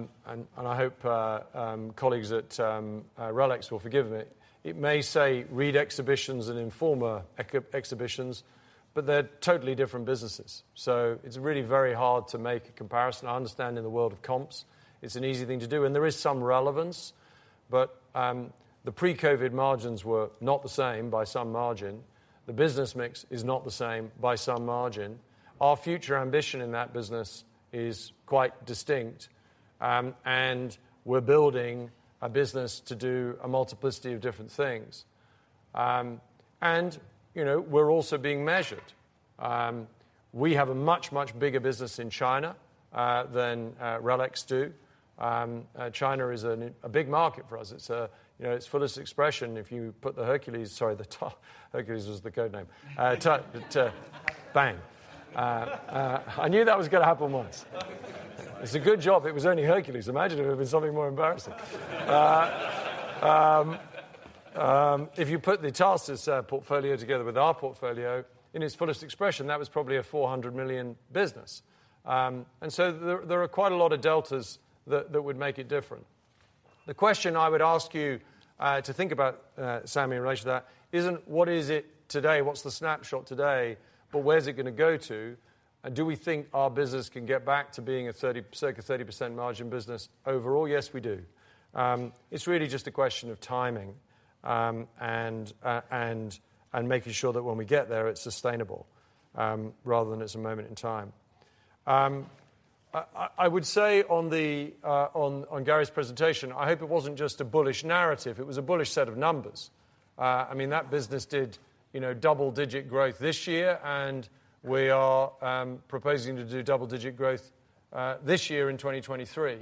hope, colleagues at RELX will forgive me. It may say Reed Exhibitions and Informa Exhibitions, but they're totally different businesses. It's really very hard to make a comparison. I understand in the world of comps it's an easy thing to do, and there is some relevance, but, the pre-COVID margins were not the same by some margin. The business mix is not the same by some margin. Our future ambition in that business is quite distinct, and we're building a business to do a multiplicity of different things. You know, we're also being measured. We have a much, much bigger business in China than RELX do. China is a big market for us. It's, you know, its fullest expression if you put the Hercules, sorry, the Hercules was the code name. Ta-ta-bang. I knew that was gonna happen once. It's a good job. It was only Hercules. Imagine if it had been something more embarrassing. If you put the Tarsus portfolio together with our portfolio, in its fullest expression, that was probably a 400 million business. So there are quite a lot of deltas that would make it different. The question I would ask you to think about, Sami, in relation to that, isn't what is it today, what's the snapshot today, but where's it gonna go to, and do we think our business can get back to being a 30, circa 30% margin business overall? Yes, we do. It's really just a question of timing, and making sure that when we get there, it's sustainable. Rather than as a moment in time. I would say on Gary's presentation, I hope it wasn't just a bullish narrative, it was a bullish set of numbers. I mean, that business did, you know, double-digit growth this year, and we are proposing to do double-digit growth this year in 2023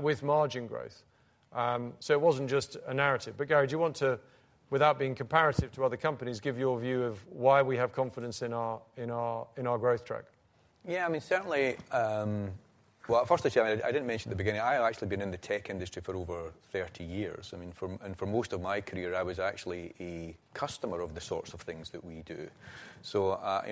with margin growth. It wasn't just a narrative. Gary, do you want to, without being comparative to other companies, give your view of why we have confidence in our growth track? Yeah. I mean, certainly, Well, firstly, Stephen, I didn't mention at the beginning, I have actually been in the tech industry for over 30 years. I mean, for most of my career, I was actually a customer of the sorts of things that we do. you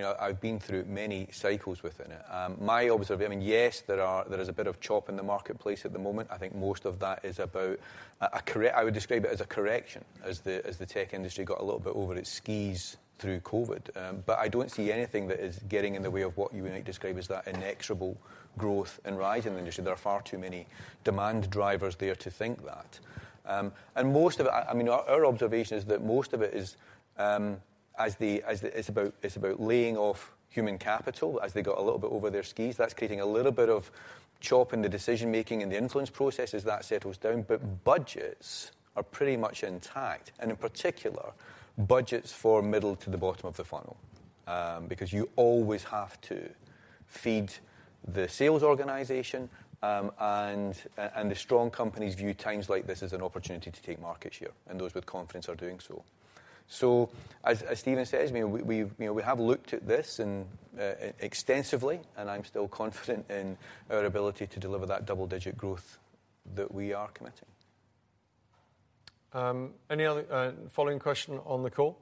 know, I've been through many cycles within it. My observation, I mean, yes, there is a bit of chop in the marketplace at the moment. I think most of that is about I would describe it as a correction, as the tech industry got a little bit over its skis through COVID. I don't see anything that is getting in the way of what you might describe as that inexorable growth and rise in the industry. There are far too many demand drivers there to think that. Most of it, I mean, our observation is that most of it is as the it's about laying off human capital as they got a little bit over their skis. That's creating a little bit of chop in the decision-making and the influence process as that settles down. Budgets are pretty much intact, and in particular, budgets for middle to the bottom of the funnel. Because you always have to feed the sales organization, and the strong companies view times like this as an opportunity to take market share, and those with confidence are doing so. As Stephen says, I mean, we've, you know, we have looked at this and extensively, and I'm still confident in our ability to deliver that double-digit growth that we are committing. Any other following question on the call?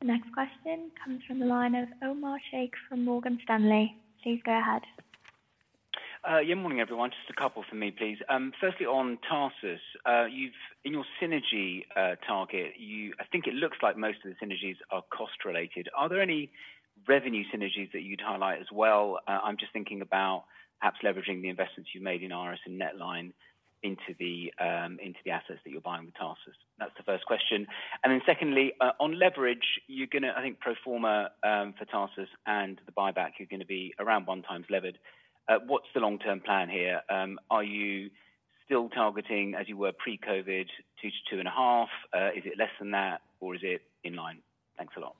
The next question comes from the line of Omar Sheikh from Morgan Stanley. Please go ahead. Yeah. Morning, everyone. Just a couple from me, please. Firstly, on Tarsus. You've, in your synergy, target, I think it looks like most of the synergies are cost related. Are there any revenue synergies that you'd highlight as well? I'm just thinking about perhaps leveraging the investments you've made in RS and NetLine into the assets that you're buying with Tarsus. That's the first question. Secondly, on leverage, you're gonna, I think pro forma, for Tarsus and the buyback, you're gonna be around 1x levered. What's the long-term plan here? Are you still targeting, as you were pre-COVID, 2-2.5? Is it less than that, or is it in line? Thanks a lot.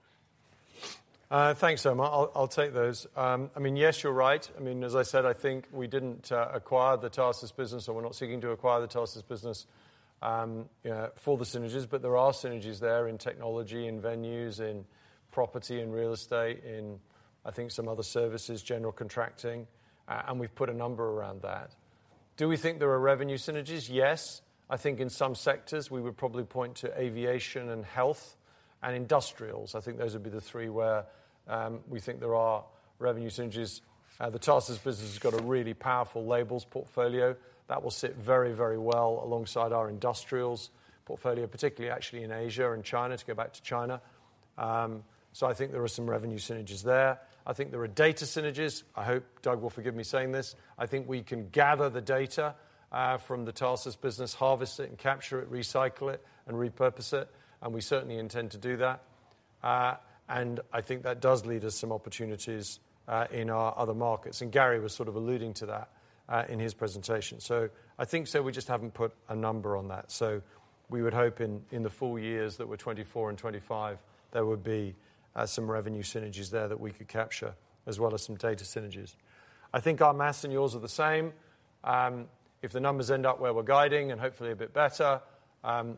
Thanks, Omar. I'll take those. I mean, yes, you're right. I mean, as I said, I think we didn't acquire the Tarsus business, so we're not seeking to acquire the Tarsus business, you know, for the synergies. There are synergies there in technology, in venues, in property, in real estate, in, I think some other services, general contracting. We've put a number around that. Do we think there are revenue synergies? Yes. I think in some sectors we would probably point to aviation and health and industrials. I think those would be the three where we think there are revenue synergies. The Tarsus business has got a really powerful labels portfolio that will sit very, very well alongside our industrials portfolio, particularly actually in Asia and China, to go back to China. I think there are some revenue synergies there. I think there are data synergies. I hope Doug will forgive me saying this. I think we can gather the data from the Tarsus business, harvest it and capture it, recycle it, and repurpose it, and we certainly intend to do that. I think that does lead us some opportunities in our other markets. Gary was sort of alluding to that in his presentation. I think so. We just haven't put a number on that. We would hope in the full years that we're 2024 and 2025, there would be some revenue synergies there that we could capture, as well as some data synergies. I think our math and yours are the same. If the numbers end up where we're guiding and hopefully a bit better,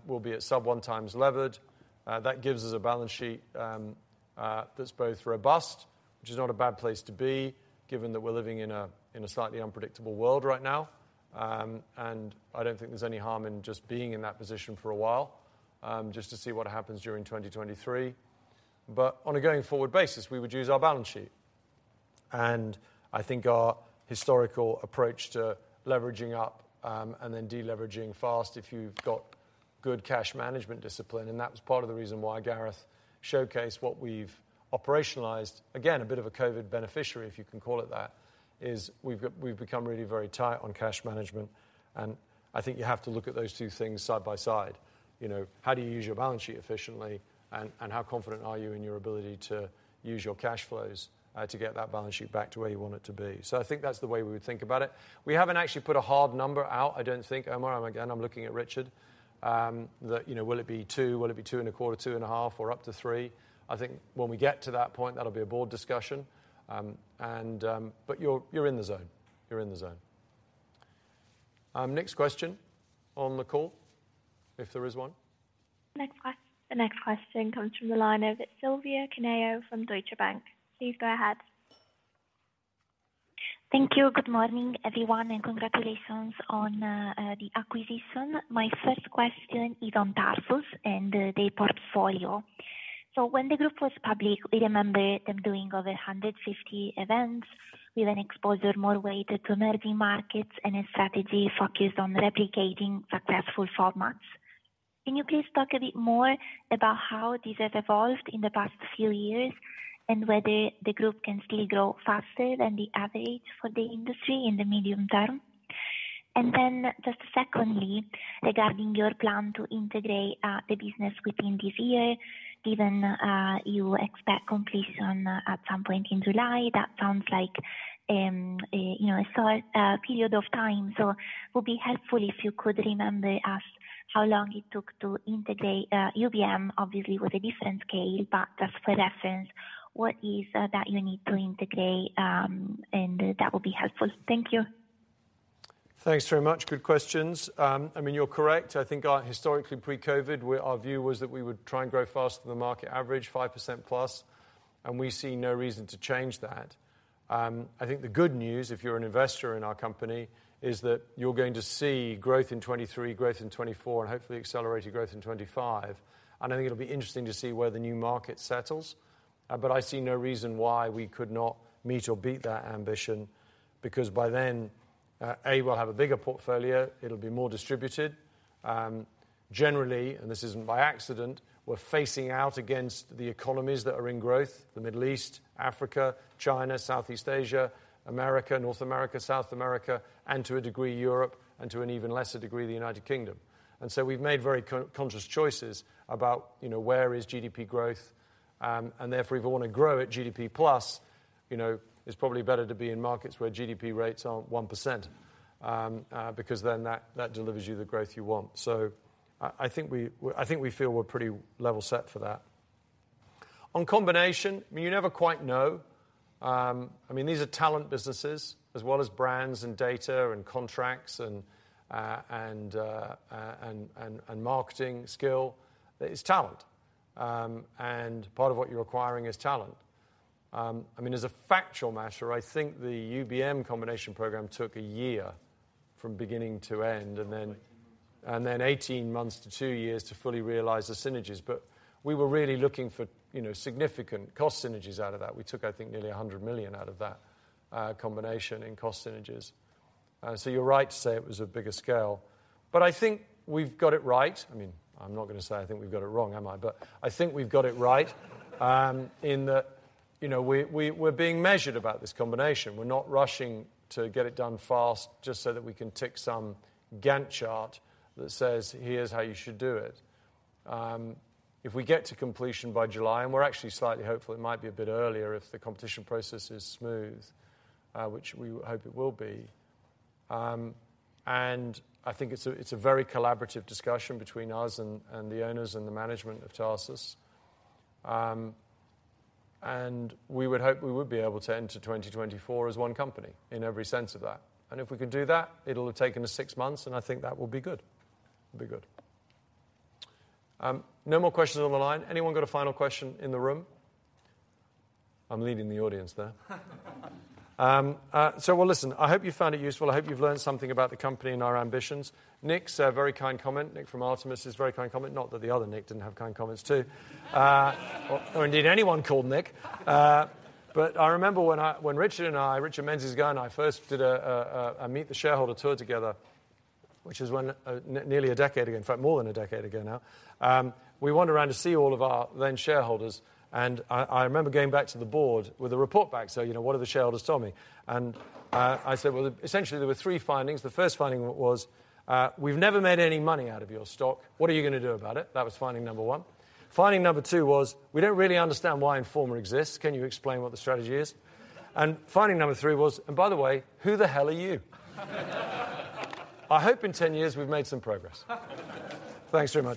we'll be at sub 1x levered. That gives us a balance sheet that's both robust, which is not a bad place to be given that we're living in a, in a slightly unpredictable world right now. I don't think there's any harm in just being in that position for a while, just to see what happens during 2023. On a going forward basis, we would use our balance sheet. I think our historical approach to leveraging up, and then de-leveraging fast if you've got good cash management discipline, and that was part of the reason why Gareth showcased what we've operationalized. A bit of a COVID beneficiary, if you can call it that, is we've become really very tight on cash management. I think you have to look at those two things side by side. You know, how do you use your balance sheet efficiently? And how confident are you in your ability to use your cash flows to get that balance sheet back to where you want it to be? I think that's the way we would think about it. We haven't actually put a hard number out, I don't think, Omar. I'm looking at Richard. That, you know, will it be two? Will it be two and a quarter, two and a half, or up to three? I think when we get to that point, that'll be a board discussion. You're in the zone. You're in the zone. Next question on the call, if there is one. Next the next question comes from the line of Silvia Cuneo from Deutsche Bank. Please go ahead. Thank you. Good morning, everyone, congratulations on the acquisition. My first question is on Tarsus and their portfolio. When the group was public, we remember them doing over 150 events with an exposure more weighted to emerging markets and a strategy focused on replicating successful formats. Can you please talk a bit more about how this has evolved in the past few years and whether the group can still grow faster than the average for the industry in the medium term? Just secondly, regarding your plan to integrate the business within this year, given you expect completion at some point in July, that sounds like, you know, a short period of time. Will be helpful if you could remember us how long it took to integrate UBM, obviously, with a different scale, but just for reference, what is that you need to integrate, and that will be helpful. Thank you. Thanks very much. Good questions. I mean, you're correct. I think, historically pre-COVID, our view was that we would try and grow faster than the market average, 5% plus, and we see no reason to change that. I think the good news, if you're an investor in our company, is that you're going to see growth in 2023, growth in 2024, and hopefully accelerated growth in 2025. I think it'll be interesting to see where the new market settles. I see no reason why we could not meet or beat that ambition because by then, we'll have a bigger portfolio, it'll be more distributed. Generally, and this isn't by accident, we're facing out against the economies that are in growth, the Middle East, Africa, China, Southeast Asia, America, North America, South America, and to a degree, Europe, and to an even lesser degree, the United Kingdom. We've made very conscious choices about, you know, where is GDP growth. If we wanna grow at GDP plus, you know, it's probably better to be in markets where GDP rates aren't 1%, because then that delivers you the growth you want. I think we feel we're pretty level set for that. On combination, I mean, you never quite know. I mean, these are talent businesses as well as brands and data and contracts and marketing skill. It's talent. Part of what you're acquiring is talent. I mean, as a factual matter, I think the UBM combination program took a year from beginning to end, and then 18 months to two years to fully realize the synergies. We were really looking for, you know, significant cost synergies out of that. We took, I think, nearly 100 million out of that combination in cost synergies. You're right to say it was a bigger scale. I think we've got it right. I mean, I'm not gonna say I think we've got it wrong, am I? I think we've got it right, in that, you know, we're being measured about this combination. We're not rushing to get it done fast just so that we can tick some Gantt chart that says, Here's how you should do it. If we get to completion by July, we're actually slightly hopeful it might be a bit earlier if the competition process is smooth, which we hope it will be. I think it's a very collaborative discussion between us and the owners and the management of Tarsus. We would hope we would be able to enter 2024 as one company in every sense of that. If we can do that, it'll have taken us six months. I think that will be good. Be good. No more questions on the line. Anyone got a final question in the room? I'm leading the audience there. Well, listen, I hope you found it useful. I hope you've learned something about the company and our ambitions. Nick's very kind comment. Nick from Artemis' very kind comment. Not that the other Nick didn't have kind comments too. Or indeed anyone called Nick. I remember when Richard and I, Richard Menzies-Gow, and I first did a meet the shareholder tour together, which is when nearly a decade ago, in fact, more than a decade ago now, we went around to see all of our then shareholders, and I remember going back to the board with a report back say, you know, What are the shareholders telling me? I said, Well, essentially, there were three findings. The first finding was, 'We've never made any money out of your stock. What are you going to do about it? That was finding number one. Finding number two was, we don't really understand why Informa exists. Can you explain what the strategy is? Finding number three was, by the way, who the hell are you? I hope in 10 years we've made some progress. Thanks very much, everyone.